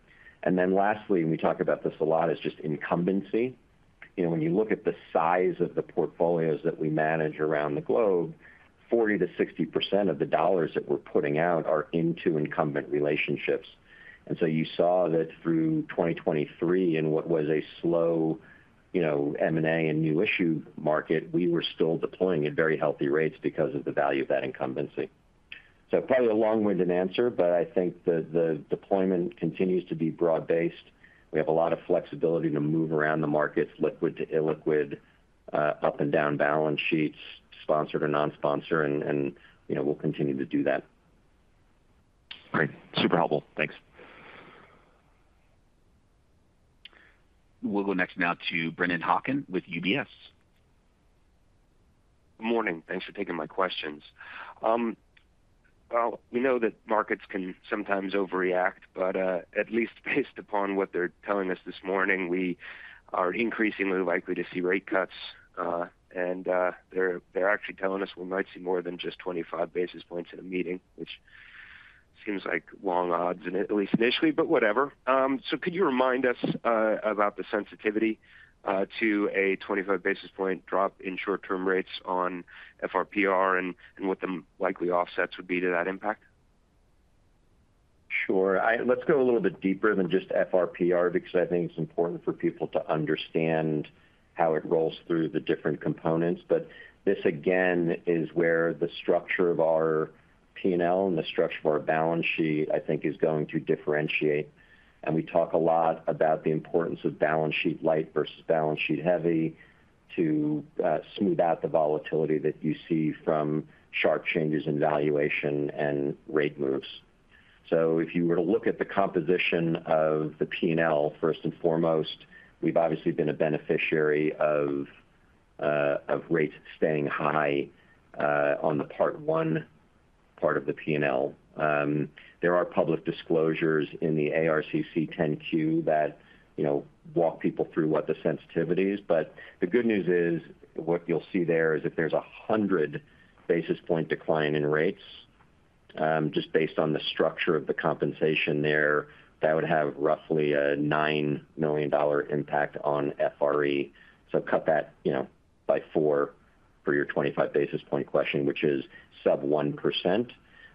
C: And then lastly, and we talk about this a lot, is just incumbency. You know, when you look at the size of the portfolios that we manage around the globe, 40%-60% of the dollars that we're putting out are into incumbent relationships. And so you saw that through 2023, in what was a slow, you know, M&A and new issue market, we were still deploying at very healthy rates because of the value of that incumbency. So probably a long-winded answer, but I think the deployment continues to be broad-based. We have a lot of flexibility to move around the markets, liquid to illiquid, up and down balance sheets, sponsored or non-sponsor, and, and, you know, we'll continue to do that.
G: Great. Super helpful. Thanks.
A: We'll go next now to Brennan Hawken with UBS.
H: Morning. Thanks for taking my questions. Well, we know that markets can sometimes overreact, but at least based upon what they're telling us this morning, we are increasingly likely to see rate cuts. And they're actually telling us we might see more than just 25 basis points in a meeting, which seems like long odds, at least initially, but whatever. So could you remind us about the sensitivity to a 25 basis point drop in short-term rates on FRPR and what the likely offsets would be to that impact?
C: Sure. Let's go a little bit deeper than just FRPR, because I think it's important for people to understand how it rolls through the different components. But this, again, is where the structure of our P&L and the structure of our balance sheet, I think, is going to differentiate. And we talk a lot about the importance of balance sheet light versus balance sheet heavy, to smooth out the volatility that you see from sharp changes in valuation and rate moves. So if you were to look at the composition of the P&L, first and foremost, we've obviously been a beneficiary of of rates staying high on the part one, part of the P&L. There are public disclosures in the ARCC Form 10-Q that, you know, walk people through what the sensitivity is. But the good news is, what you'll see there is if there's a 100 basis point decline in rates, just based on the structure of the compensation there, that would have roughly a $9 million impact on FRE. So cut that, you know, by four for your 25 basis point question, which is sub 1%.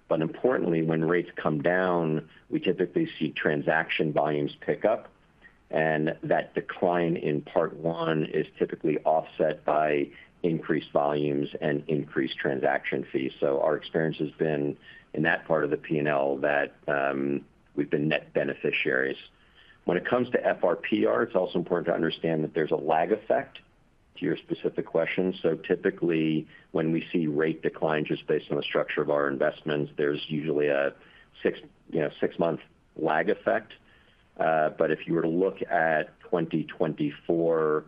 C: But importantly, when rates come down, we typically see transaction volumes pick up, and that decline in part one is typically offset by increased volumes and increased transaction fees. So our experience has been in that part of the P&L, that, we've been net beneficiaries. When it comes to FRPR, it's also important to understand that there's a lag effect to your specific question. So typically, when we see rate decline, just based on the structure of our investments, there's usually a six, you know, 6-month lag effect. But if you were to look at 2024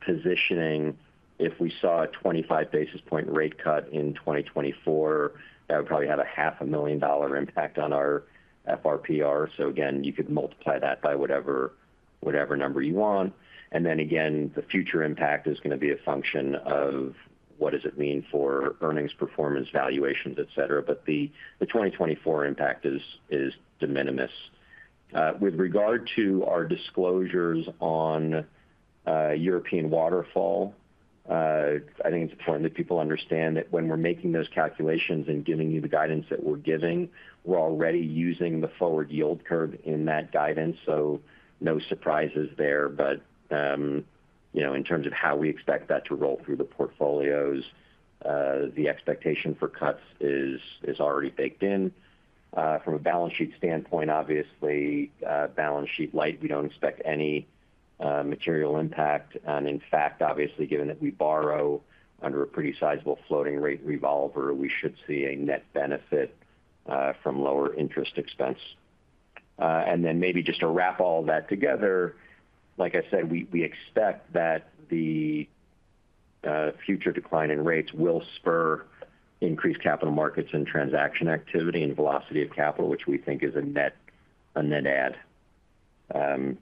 C: positioning, if we saw a 25 basis point rate cut in 2024, that would probably have a $500,000 impact on our FRPR. So again, you could multiply that by whatever, whatever number you want. And then again, the future impact is going to be a function of what does it mean for earnings, performance, valuations, et cetera. But the, the 2024 impact is, is de minimis. With regard to our disclosures on European waterfall, I think it's important that people understand that when we're making those calculations and giving you the guidance that we're giving, we're already using the forward yield curve in that guidance, so no surprises there. But, you know, in terms of how we expect that to roll through the portfolios, the expectation for cuts is already baked in. From a balance sheet standpoint, obviously, balance sheet light, we don't expect any material impact. And in fact, obviously, given that we borrow under a pretty sizable floating rate revolver, we should see a net benefit from lower interest expense. And then maybe just to wrap all that together, like I said, we expect that the future decline in rates will spur increased capital markets and transaction activity and velocity of capital, which we think is a net add.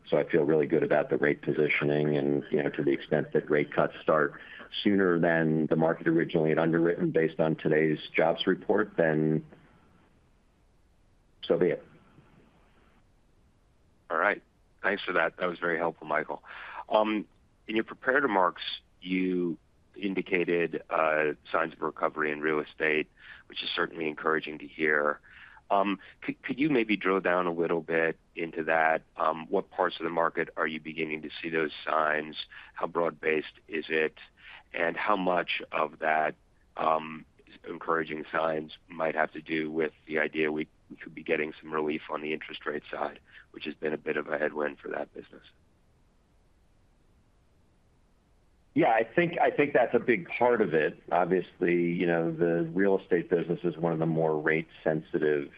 C: So I feel really good about the rate positioning and, you know, to the extent that rate cuts start sooner than the market originally had underwritten based on today's jobs report, then so be it.
H: All right. Thanks for that. That was very helpful, Michael. In your prepared remarks, you indicated signs of recovery in real estate, which is certainly encouraging to hear. Could you maybe drill down a little bit into that? What parts of the market are you beginning to see those signs? How broad-based is it? And how much of that encouraging signs might have to do with the idea we could be getting some relief on the interest rate side, which has been a bit of a headwind for that business.
C: Yeah, I think, I think that's a big part of it. Obviously, you know, the real estate business is one of the more rate sensitive,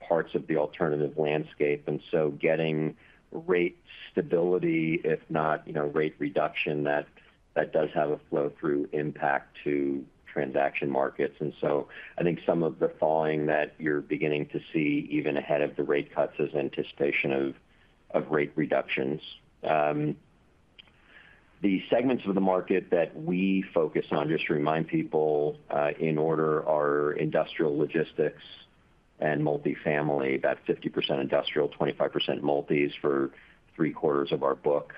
C: parts of the alternative landscape, and so getting rate stability, if not, you know, rate reduction, that, that does have a flow-through impact to transaction markets. And so I think some of the falling that you're beginning to see, even ahead of the rate cuts, is anticipation of, of rate reductions. The segments of the market that we focus on, just to remind people, in order, are industrial logistics and multifamily. About 50 industrial, 25% multis for three-quarters of our book.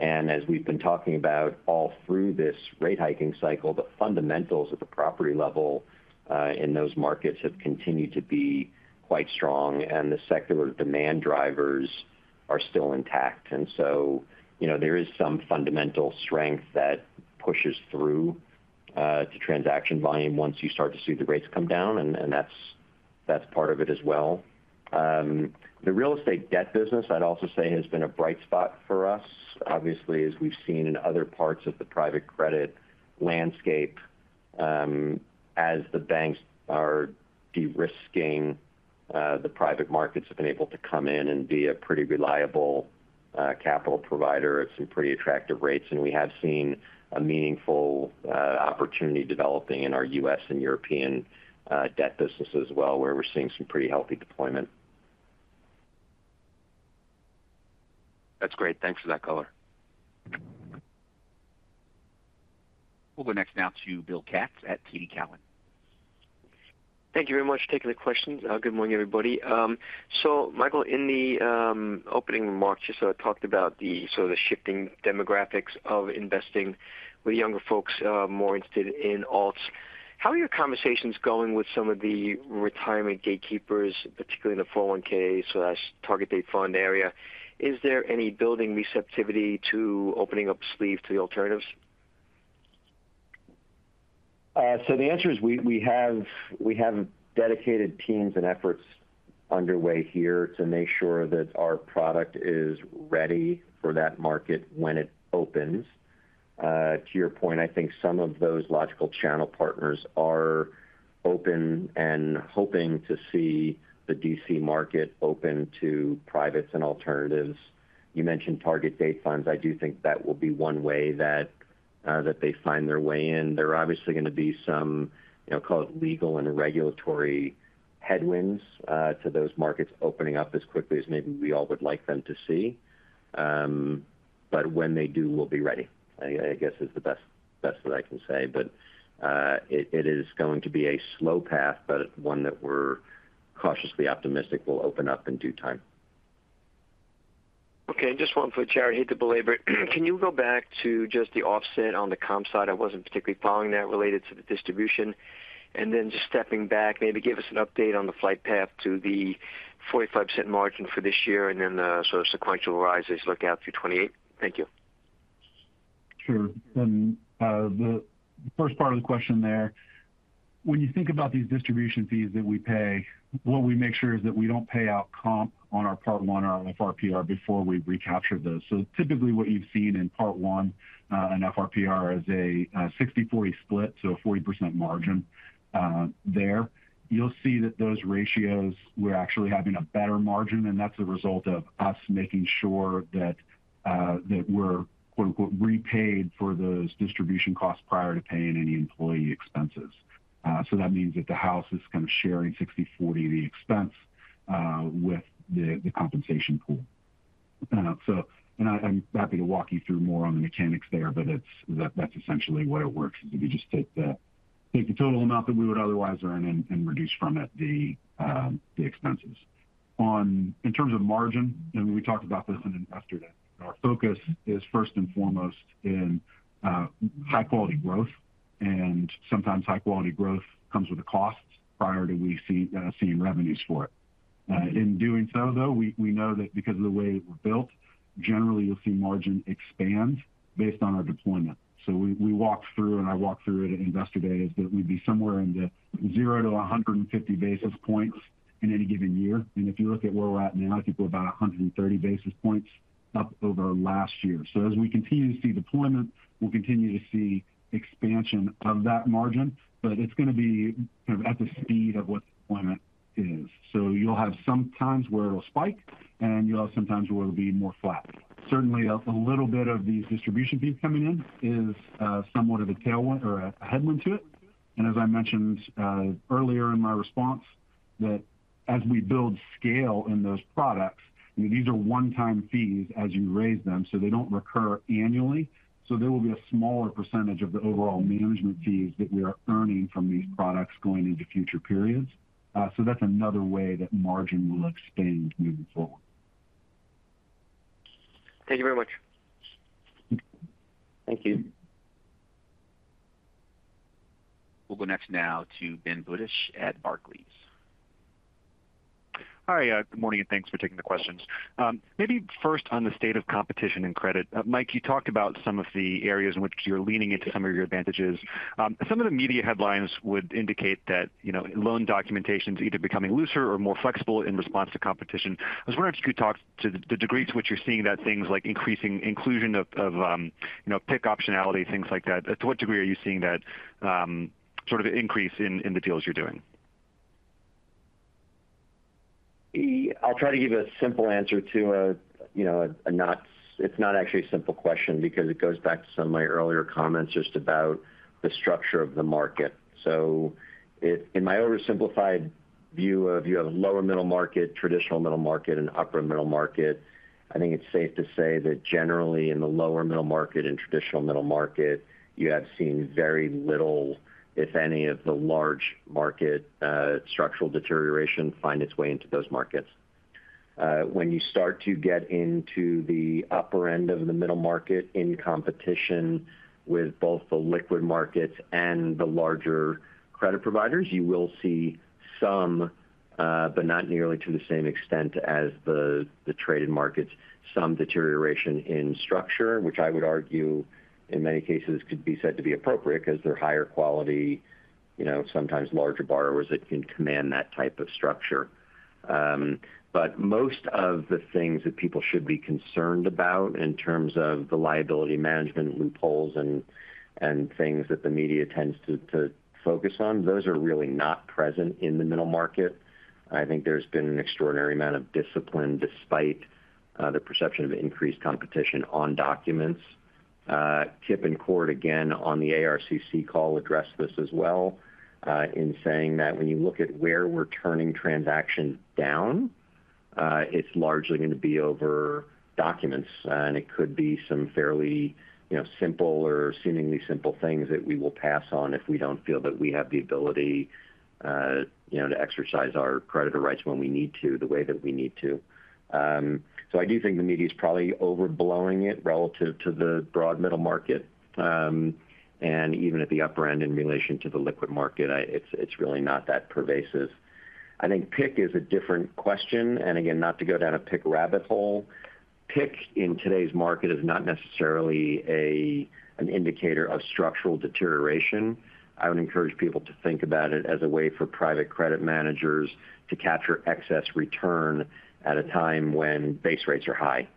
C: And as we've been talking about all through this rate hiking cycle, the fundamentals at the property level, in those markets have continued to be quite strong, and the secular demand drivers are still intact. So, you know, there is some fundamental strength that pushes through the transaction volume once you start to see the rates come down, and that's part of it as well. The real estate debt business, I'd also say, has been a bright spot for us. Obviously, as we've seen in other parts of the private credit landscape. As the banks are de-risking, the private markets have been able to come in and be a pretty reliable capital provider at some pretty attractive rates. And we have seen a meaningful opportunity developing in our U.S. and European debt business as well, where we're seeing some pretty healthy deployment.
I: That's great. Thanks for that color.
A: We'll go next now to Bill Katz at TD Cowen.
I: Thank you very much for taking the questions. Good morning, everybody. So Michael, in the opening remarks, you sort of talked about the sort of the shifting demographics of investing with younger folks more interested in alts. How are your conversations going with some of the retirement gatekeepers, particularly in the 401(k)/target date fund area? Is there any building receptivity to opening up sleeve to the alternatives?
C: So the answer is, we have dedicated teams and efforts underway here to make sure that our product is ready for that market when it opens. To your point, I think some of those logical channel partners are open and hoping to see the DC market open to privates and alternatives. You mentioned target date funds. I do think that will be one way that that they find their way in. There are obviously going to be some, you know, call it legal and regulatory headwinds, to those markets opening up as quickly as maybe we all would like them to see. But when they do, we'll be ready, I guess, is the best that I can say. But, it is going to be a slow path, but one that we're cautiously optimistic will open up in due time.
I: Okay, and just one for Jerry. I hate to belabor it. Can you go back to just the offset on the comp side? I wasn't particularly following that related to the distribution. And then just stepping back, maybe give us an update on the flight path to the 45% margin for this year, and then the sort of sequential rises look out through 2028. Thank you.
D: Sure. The first part of the question there, when you think about these distribution fees that we pay, what we make sure is that we don't pay out comp on our part one or FRPR before we've recaptured those. So typically what you've seen in part one and FRPR is a 60/40 split, so a 40% margin there. You'll see that those ratios, we're actually having a better margin, and that's a result of us making sure that we're quote, unquote, "repaid" for those distribution costs prior to paying any employee expenses. So that means that the house is kind of sharing 60/40 the expense with the compensation pool. I'm happy to walk you through more on the mechanics there, but that's essentially the way it works, is we just take the total amount that we would otherwise earn and reduce from it the expenses. In terms of margin, and we talked about this in Investor Day, our focus is first and foremost in high-quality growth, and sometimes high-quality growth comes with a cost prior to we see seeing revenues for it. In doing so, though, we know that because of the way we're built, generally, you'll see margin expand based on our deployment. So we walked through, and I walked through it at Investor Day, is that we'd be somewhere in the 0-150 basis points in any given year. If you look at where we're at now, I think we're about 130 basis points up over last year. As we continue to see deployment, we'll continue to see expansion of that margin, but it's going to be kind of at the speed of what the deployment is. You'll have some times where it'll spike, and you'll have some times where it'll be more flat. Certainly, a little bit of these distribution fees coming in is somewhat of a tailwind or a headwind to it. And as I mentioned earlier in my response, that as we build scale in those products, these are 1x fees as you raise them, so they don't recur annually. There will be a smaller percentage of the overall management fees that we are earning from these products going into future periods. That's another way that margin will expand moving forward.
I: Thank you very much.
D: Thank you.
A: We'll go next now to Ben Budish at Barclays.
J: Hi, good morning, and thanks for taking the questions. Maybe first on the state of competition and credit. Mike, you talked about some of the areas in which you're leaning into some of your advantages. Some of the media headlines would indicate that, you know, loan documentation is either becoming looser or more flexible in response to competition. I was wondering if you could talk to the degree to which you're seeing that things like increasing inclusion of, of, you know, pick optionality, things like that. To what degree are you seeing that, sort of increase in, in the deals you're doing?
C: I'll try to give a simple answer to a, you know, it's not actually a simple question because it goes back to some of my earlier comments just about the structure of the market. So in my oversimplified view of, you have a lower middle market, traditional middle market, and upper middle market, I think it's safe to say that generally in the lower middle market and traditional middle market, you have seen very little, if any, of the large market, structural deterioration find its way into those markets. When you start to get into the upper end of the middle market in competition with both the liquid markets and the larger credit providers, you will see some, but not nearly to the same extent as the traded markets, some deterioration in structure, which I would argue in many cases could be said to be appropriate because they're higher quality, you know, sometimes larger borrowers that can command that type of structure. But most of the things that people should be concerned about in terms of the liability management loopholes and things that the media tends to focus on, those are really not present in the middle market. I think there's been an extraordinary amount of discipline despite the perception of increased competition on documents. Kipp and Cort, again, on the ARCC call, addressed this as well, in saying that when you look at where we're turning transactions down, it's largely going to be over documents. And it could be some fairly, you know, simple or seemingly simple things that we will pass on if we don't feel that we have the ability, you know, to exercise our creditor rights when we need to, the way that we need to. So I do think the media is probably overblowing it relative to the broad middle market. And even at the upper end, in relation to the liquid market, it's really not that pervasive. I think PIK is a different question, and again, not to go down a PIK rabbit hole. PIK, in today's market, is not necessarily an indicator of structural deterioration. I would encourage people to think about it as a way for private credit managers to capture excess return at a time when base rates are high.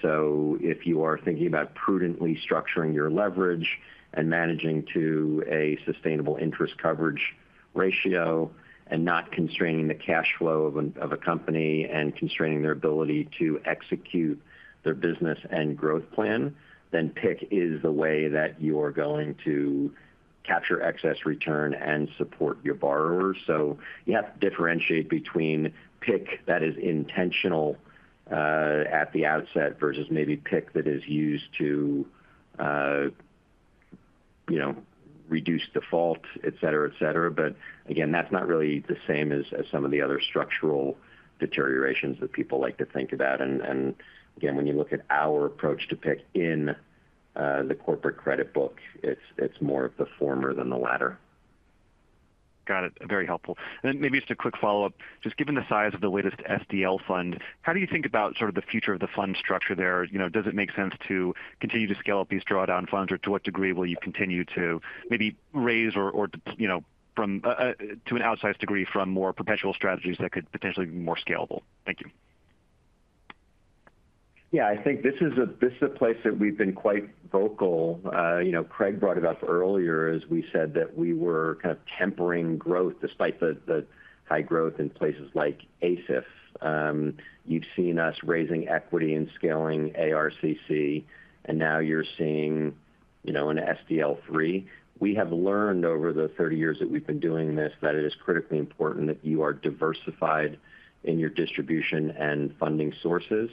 C: So if you are thinking about prudently structuring your leverage and managing to a sustainable interest coverage ratio, and not constraining the cash flow of a company, and constraining their ability to execute their business and growth plan, then PIK is the way that you are going to capture excess return and support your borrowers. So you have to differentiate between PIK that is intentional at the outset, versus maybe PIK that is used to, you know, reduce default, et cetera, et cetera. But again, that's not really the same as some of the other structural deteriorations that people like to think about. And again, when you look at our approach to PIK in the corporate credit book, it's more of the former than the latter.
J: Got it. Very helpful. Then maybe just a quick follow-up. Just given the size of the latest SDL fund, how do you think about sort of the future of the fund structure there? You know, does it make sense to continue to scale up these drawdown funds, or to what degree will you continue to maybe raise, you know, to an outsized degree, from more perpetual strategies that could potentially be more scalable? Thank you.
C: Yeah, I think this is a, this is a place that we've been quite vocal. You know, Craig brought it up earlier, as we said, that we were kind of tempering growth despite the, the high growth in places like ASIF. You've seen us raising equity and scaling ARCC, and now you're seeing, you know, an SDL 3. We have learned over the 30 years that we've been doing this, that it is critically important that you are diversified in your distribution and funding sources.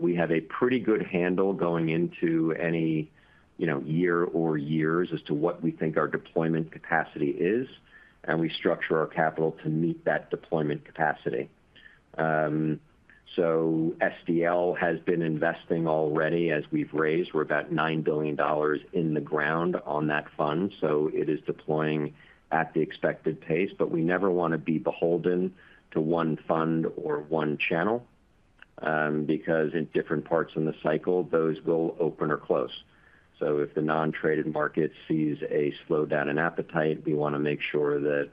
C: We have a pretty good handle going into any, you know, year or years as to what we think our deployment capacity is, and we structure our capital to meet that deployment capacity. So SDL has been investing already. As we've raised, we're about $9 billion in the ground on that fund, so it is deploying at the expected pace. But we never want to be beholden to one fund or one channel, because in different parts in the cycle, those will open or close. So if the non-traded market sees a slowdown in appetite, we want to make sure that,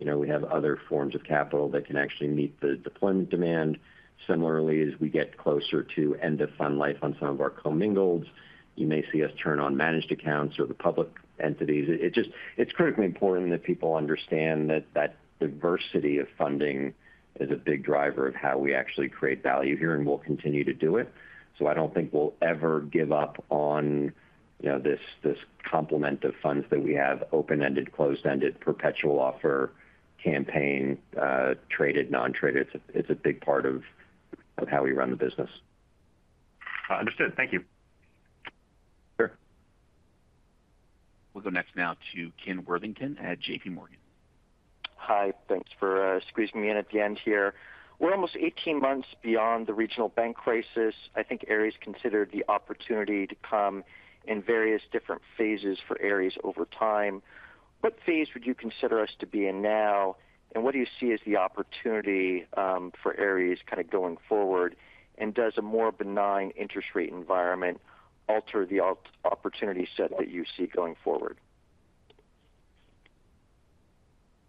C: you know, we have other forms of capital that can actually meet the deployment demand. Similarly, as we get closer to end-of-fund life on some of our commingled, you may see us turn on managed accounts or the public entities. It's critically important that people understand that that diversity of funding is a big driver of how we actually create value here, and we'll continue to do it. So I don't think we'll ever give up on, you know, this, this complement of funds that we have: open-ended, closed-ended, perpetual offer, campaign, traded, non-traded. It's a big part of how we run the business.
J: Understood. Thank you.
C: Sure.
A: We'll go next now to Ken Worthington at JPMorgan.
K: Hi. Thanks for squeezing me in at the end here. We're almost 18 months beyond the regional bank crisis. I think Ares considered the opportunity to come in various different phases for Ares over time. What phase would you consider us to be in now, and what do you see as the opportunity for Ares kind of going forward? Does a more benign interest rate environment alter the opportunity set that you see going forward?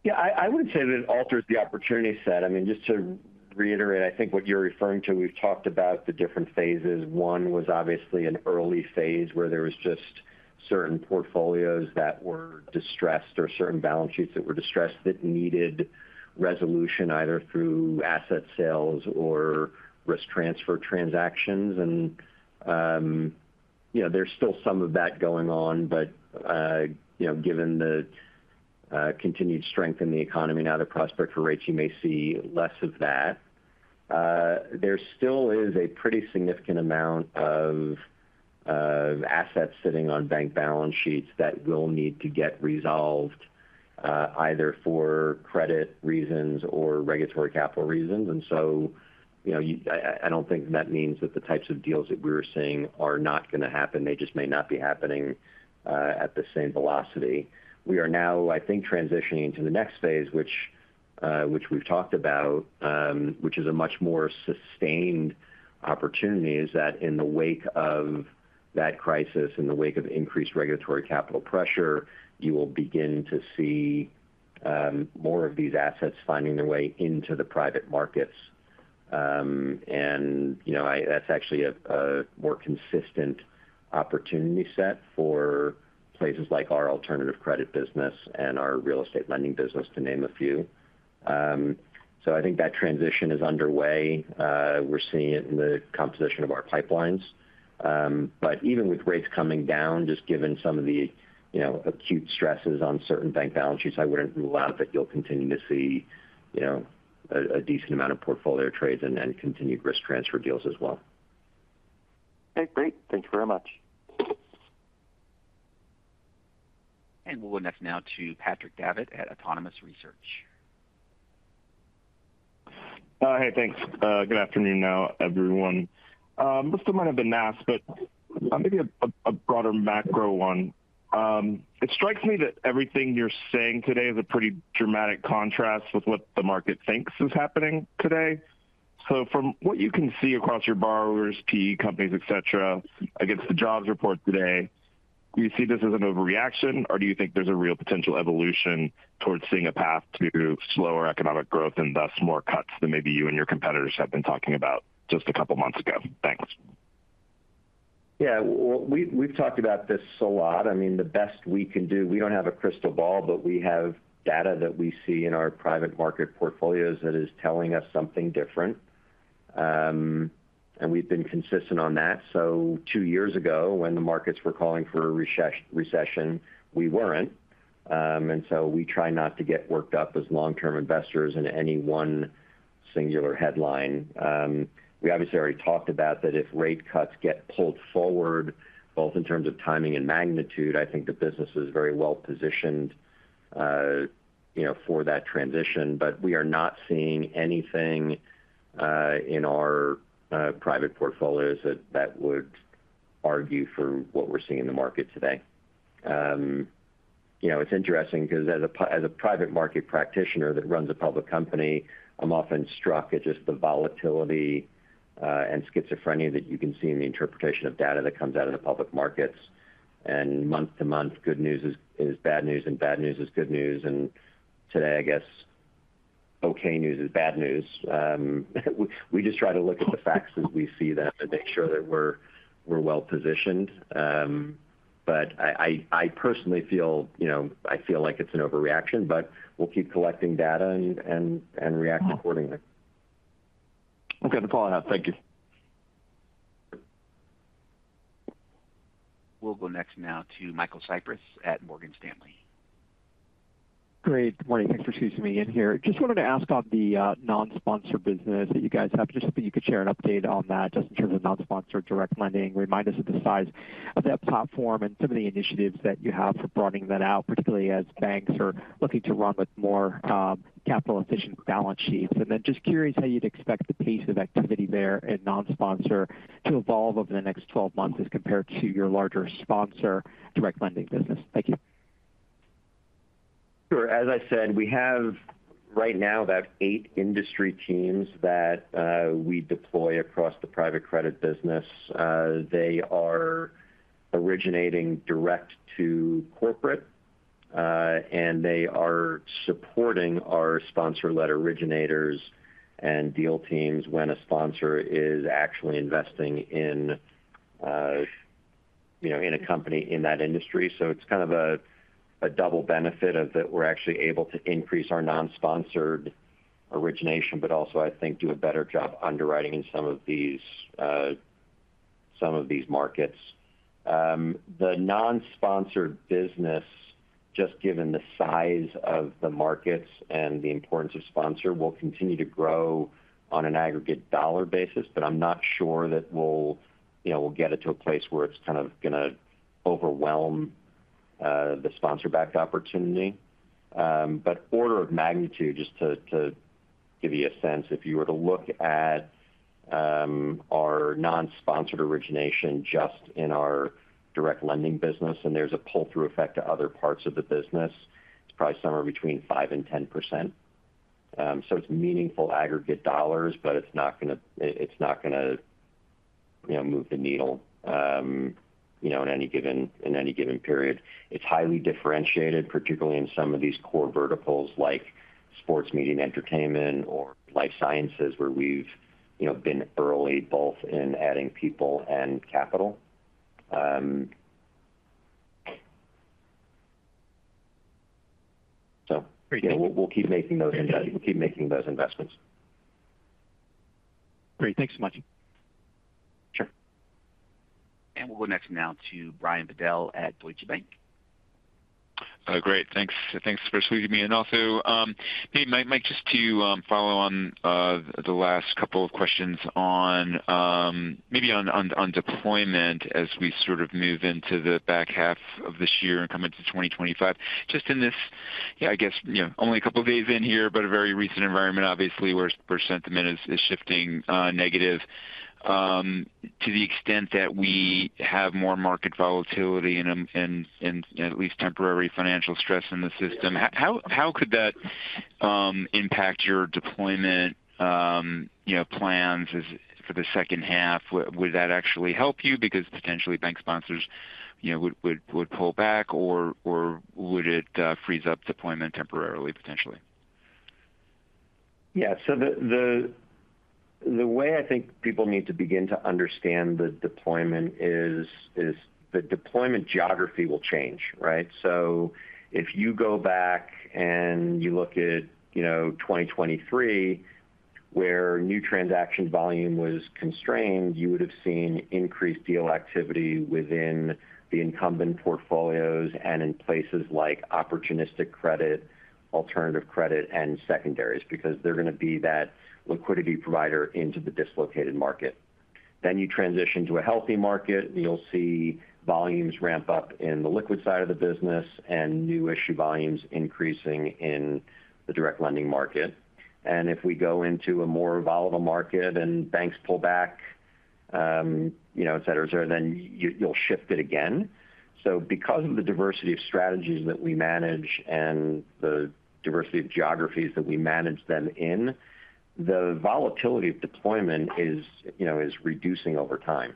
C: Yeah, I wouldn't say that it alters the opportunity set. I mean, just to reiterate, I think what you're referring to, we've talked about the different phases. One was obviously an early phase, where there was just certain portfolios that were distressed, or certain balance sheets that were distressed, that needed resolution, either through asset sales or risk transfer transactions. You know, there's still some of that going on, but, you know, given the continued strength in the economy now, the prospect for rates, you may see less of that. There still is a pretty significant amount of assets sitting on bank balance sheets that will need to get resolved, either for credit reasons or regulatory capital reasons. And so, you know, I don't think that means that the types of deals that we were seeing are not going to happen. They just may not be happening at the same velocity. We are now, I think, transitioning to the next phase, which we've talked about, which is a much more sustained opportunity, is that in the wake of that crisis, in the wake of increased regulatory capital pressure, you will begin to see more of these assets finding their way into the private markets. And, that's actually a more consistent opportunity set for places like our alternative credit business and our real estate lending business, to name a few. So I think that transition is underway. We're seeing it in the composition of our pipelines. Even with rates coming down, just given some of the, you know, acute stresses on certain bank balance sheets, I wouldn't rule out that you'll continue to see, you know, a decent amount of portfolio trades and continued risk transfer deals as well.
L: Okay, great. Thank you very much.
A: We'll go next now to Patrick Davitt at Autonomous Research.
M: Hey, thanks. Good afternoon now, everyone. This still might have been asked, but maybe a broader macro one. It strikes me that everything you're saying today is a pretty dramatic contrast with what the market thinks is happening today. So from what you can see across your borrowers, PE companies, et cetera, against the jobs report today, do you see this as an overreaction, or do you think there's a real potential evolution towards seeing a path to slower economic growth, and thus more cuts than maybe you and your competitors have been talking about just a couple months ago? Thanks.
C: Yeah, well, we've talked about this a lot. I mean, the best we can do—we don't have a crystal ball, but we have data that we see in our private market portfolios that is telling us something different. And we've been consistent on that. So two years ago, when the markets were calling for a recession, we weren't. And so we try not to get worked up as long-term investors into any one singular headline. We obviously already talked about that if rate cuts get pulled forward, both in terms of timing and magnitude, I think the business is very well positioned, you know, for that transition. But we are not seeing anything in our private portfolios that would argue for what we're seeing in the market today. You know, it's interesting because as a private market practitioner that runs a public company, I'm often struck at just the volatility and schizophrenia that you can see in the interpretation of data that comes out of the public markets. And month-to-month, good news is bad news, and bad news is good news. And today, I guess, okay news is bad news. We just try to look at the facts as we see them and make sure that we're well-positioned. But I personally feel, you know, I feel like it's an overreaction, but we'll keep collecting data and react accordingly.
M: Okay, I'm calling out. Thank you.
A: We'll go next now to Michael Cyprys at Morgan Stanley.
N: Great. Good morning. Thanks for squeezing me in here. Just wanted to ask on the non-sponsor business that you guys have. Just hoping you could share an update on that, just in terms of non-sponsor direct lending. Remind us of the size of that platform and some of the initiatives that you have for broadening that out, particularly as banks are looking to run with more capital-efficient balance sheets. And then just curious how you'd expect the pace of activity there in non-sponsor to evolve over the next 12 months, as compared to your larger sponsor direct lending business. Thank you.
C: Sure. As I said, we have, right now, about 8 industry teams that we deploy across the private credit business. They are originating direct to corporate, and they are supporting our sponsor-led originators and deal teams when a sponsor is actually investing in, you know, in a company in that industry. So it's kind of a double benefit of that we're actually able to increase our non-sponsored origination, but also, I think, do a better job underwriting in some of these, some of these markets. The non-sponsored business, just given the size of the markets and the importance of sponsor, will continue to grow on an aggregate dollar basis, but I'm not sure that we'll, you know, we'll get it to a place where it's kind of gonna overwhelm, the sponsor-backed opportunity. But order of magnitude, just to give you a sense, if you were to look at our non-sponsored origination just in our direct lending business, and there's a pull-through effect to other parts of the business, it's probably somewhere between 5%-10%. So it's meaningful aggregate dollars, but it's not gonna, you know, move the needle, you know, in any given period. It's highly differentiated, particularly in some of these core verticals like sports, media, and entertainment or life sciences, where we've, you know, been early both in adding people and capital. So-
N: Great.
C: We'll keep making those investments. We'll keep making those investments.
N: Great. Thanks so much.
C: Sure.
A: We'll go next now to Brian Bedell at Deutsche Bank.
L: Great. Thanks, thanks for squeezing me in also. Maybe, Mike, just to follow on the last couple of questions on deployment as we sort of move into the back half of this year and come into 2025. Just in this, I guess, you know, only a couple of days in here, but a very recent environment, obviously, where sentiment is shifting negative. To the extent that we have more market volatility and at least temporary financial stress in the system, how could that impact your deployment, you know, plans is for the second half? Would that actually help you because potentially bank sponsors, you know, would pull back, or would it freeze up deployment temporarily, potentially?
C: Yeah. So the way I think people need to begin to understand the deployment is the deployment geography will change, right? So if you go back and you look at, you know, 2023, where new transaction volume was constrained, you would have seen increased deal activity within the incumbent portfolios and in places like opportunistic credit, alternative credit, and secondaries, because they're going to be that liquidity provider into the dislocated market. Then you transition to a healthy market, you'll see volumes ramp up in the liquid side of the business and new issue volumes increasing in the direct lending market. And if we go into a more volatile market and banks pull back, you know, et cetera, then you, you'll shift it again. So because of the diversity of strategies that we manage and the diversity of geographies that we manage them in, the volatility of deployment is, you know, reducing over time.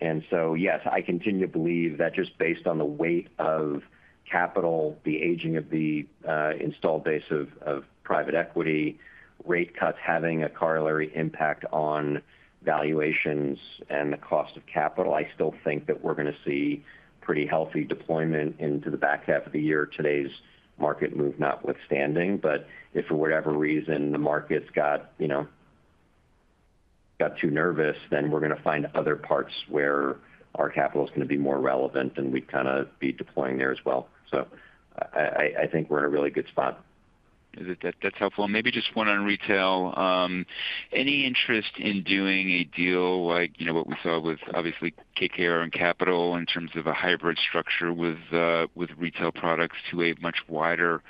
C: And so, yes, I continue to believe that just based on the weight of capital, the aging of the installed base of private equity, rate cuts having a corollary impact on valuations and the cost of capital, I still think that we're going to see pretty healthy deployment into the back half of the year, today's market move notwithstanding. But if for whatever reason, the market's got, you know, got too nervous, then we're going to find other parts where our capital is going to be more relevant, and we'd kind of be deploying there as well. So I think we're in a really good spot.
L: That, that's helpful. And maybe just one on retail. Any interest in doing a deal like, you know, what we saw with, obviously, KKR and Capital in terms of a hybrid structure with with retail products to a much wider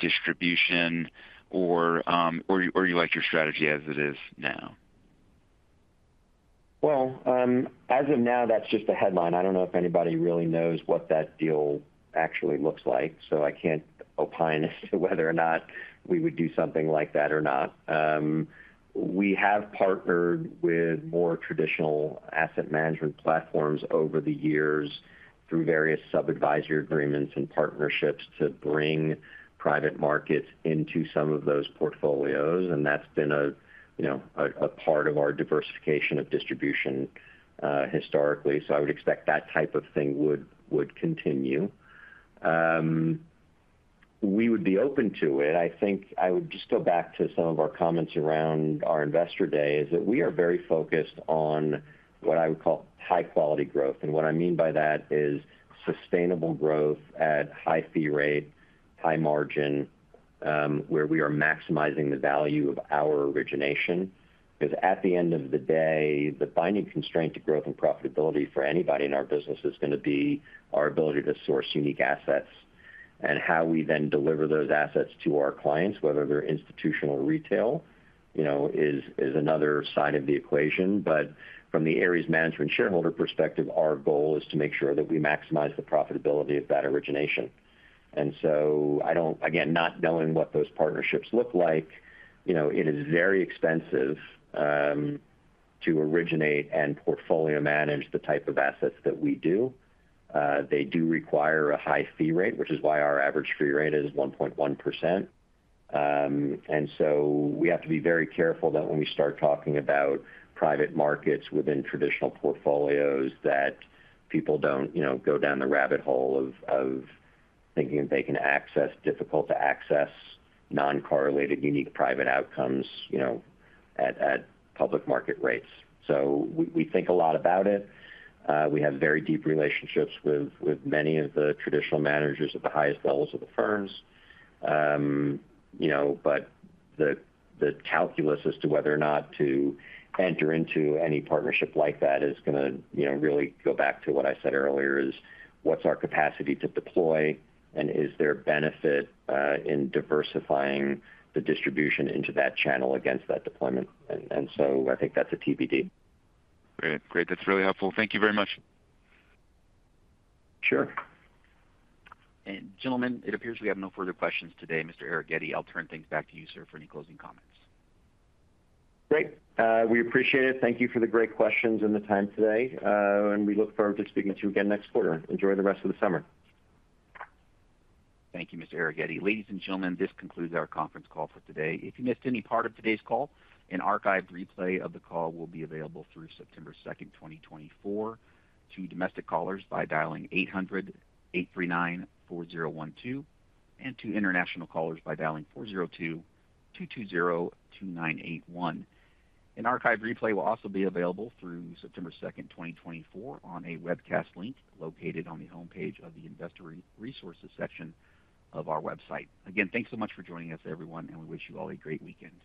L: distribution, or you like your strategy as it is now?
C: Well, as of now, that's just a headline. I don't know if anybody really knows what that deal actually looks like, so I can't opine as to whether or not we would do something like that or not. We have partnered with more traditional asset management platforms over the years through various sub-advisory agreements and partnerships to bring private markets into some of those portfolios, and that's been a, you know, a part of our diversification of distribution historically. So I would expect that type of thing would continue. We would be open to it. I think I would just go back to some of our comments around our investor day, is that we are very focused on what I would call high-quality growth. What I mean by that is sustainable growth at high fee rate, high margin, where we are maximizing the value of our origination. Because at the end of the day, the binding constraint to growth and profitability for anybody in our business is going to be our ability to source unique assets. And how we then deliver those assets to our clients, whether they're institutional retail, you know, is, is another side of the equation. But from the Ares Management shareholder perspective, our goal is to make sure that we maximize the profitability of that origination. And so I don't, again, not knowing what those partnerships look like, you know, it is very expensive to originate and portfolio manage the type of assets that we do. They do require a high fee rate, which is why our average fee rate is 1.1%. And so we have to be very careful that when we start talking about private markets within traditional portfolios, that people don't, you know, go down the rabbit hole of, of thinking that they can access difficult to access, non-correlated, unique private outcomes, you know, at, at public market rates. So we, we think a lot about it. We have very deep relationships with, with many of the traditional managers at the highest levels of the firms. You know, but the, the calculus as to whether or not to enter into any partnership like that is going to, you know, really go back to what I said earlier, is: What's our capacity to deploy? And is there benefit in diversifying the distribution into that channel against that deployment? And, and so I think that's a TBD.
L: Great. Great, that's really helpful. Thank you very much.
C: Sure.
A: Gentlemen, it appears we have no further questions today. Mr. Arougheti, I'll turn things back to you, sir, for any closing comments.
C: Great. We appreciate it. Thank you for the great questions and the time today, and we look forward to speaking with you again next quarter. Enjoy the rest of the summer.
A: Thank you, Mr. Arougheti. Ladies and gentlemen, this concludes our conference call for today. If you missed any part of today's call, an archived replay of the call will be available through September 2nd, 2024, to domestic callers by dialing 800-839-4012, and to international callers by dialing 402-220-2981. An archived replay will also be available through September 2nd, 2024, on a webcast link located on the homepage of the Investor Resources section of our website. Again, thanks so much for joining us, everyone, and we wish you all a great weekend.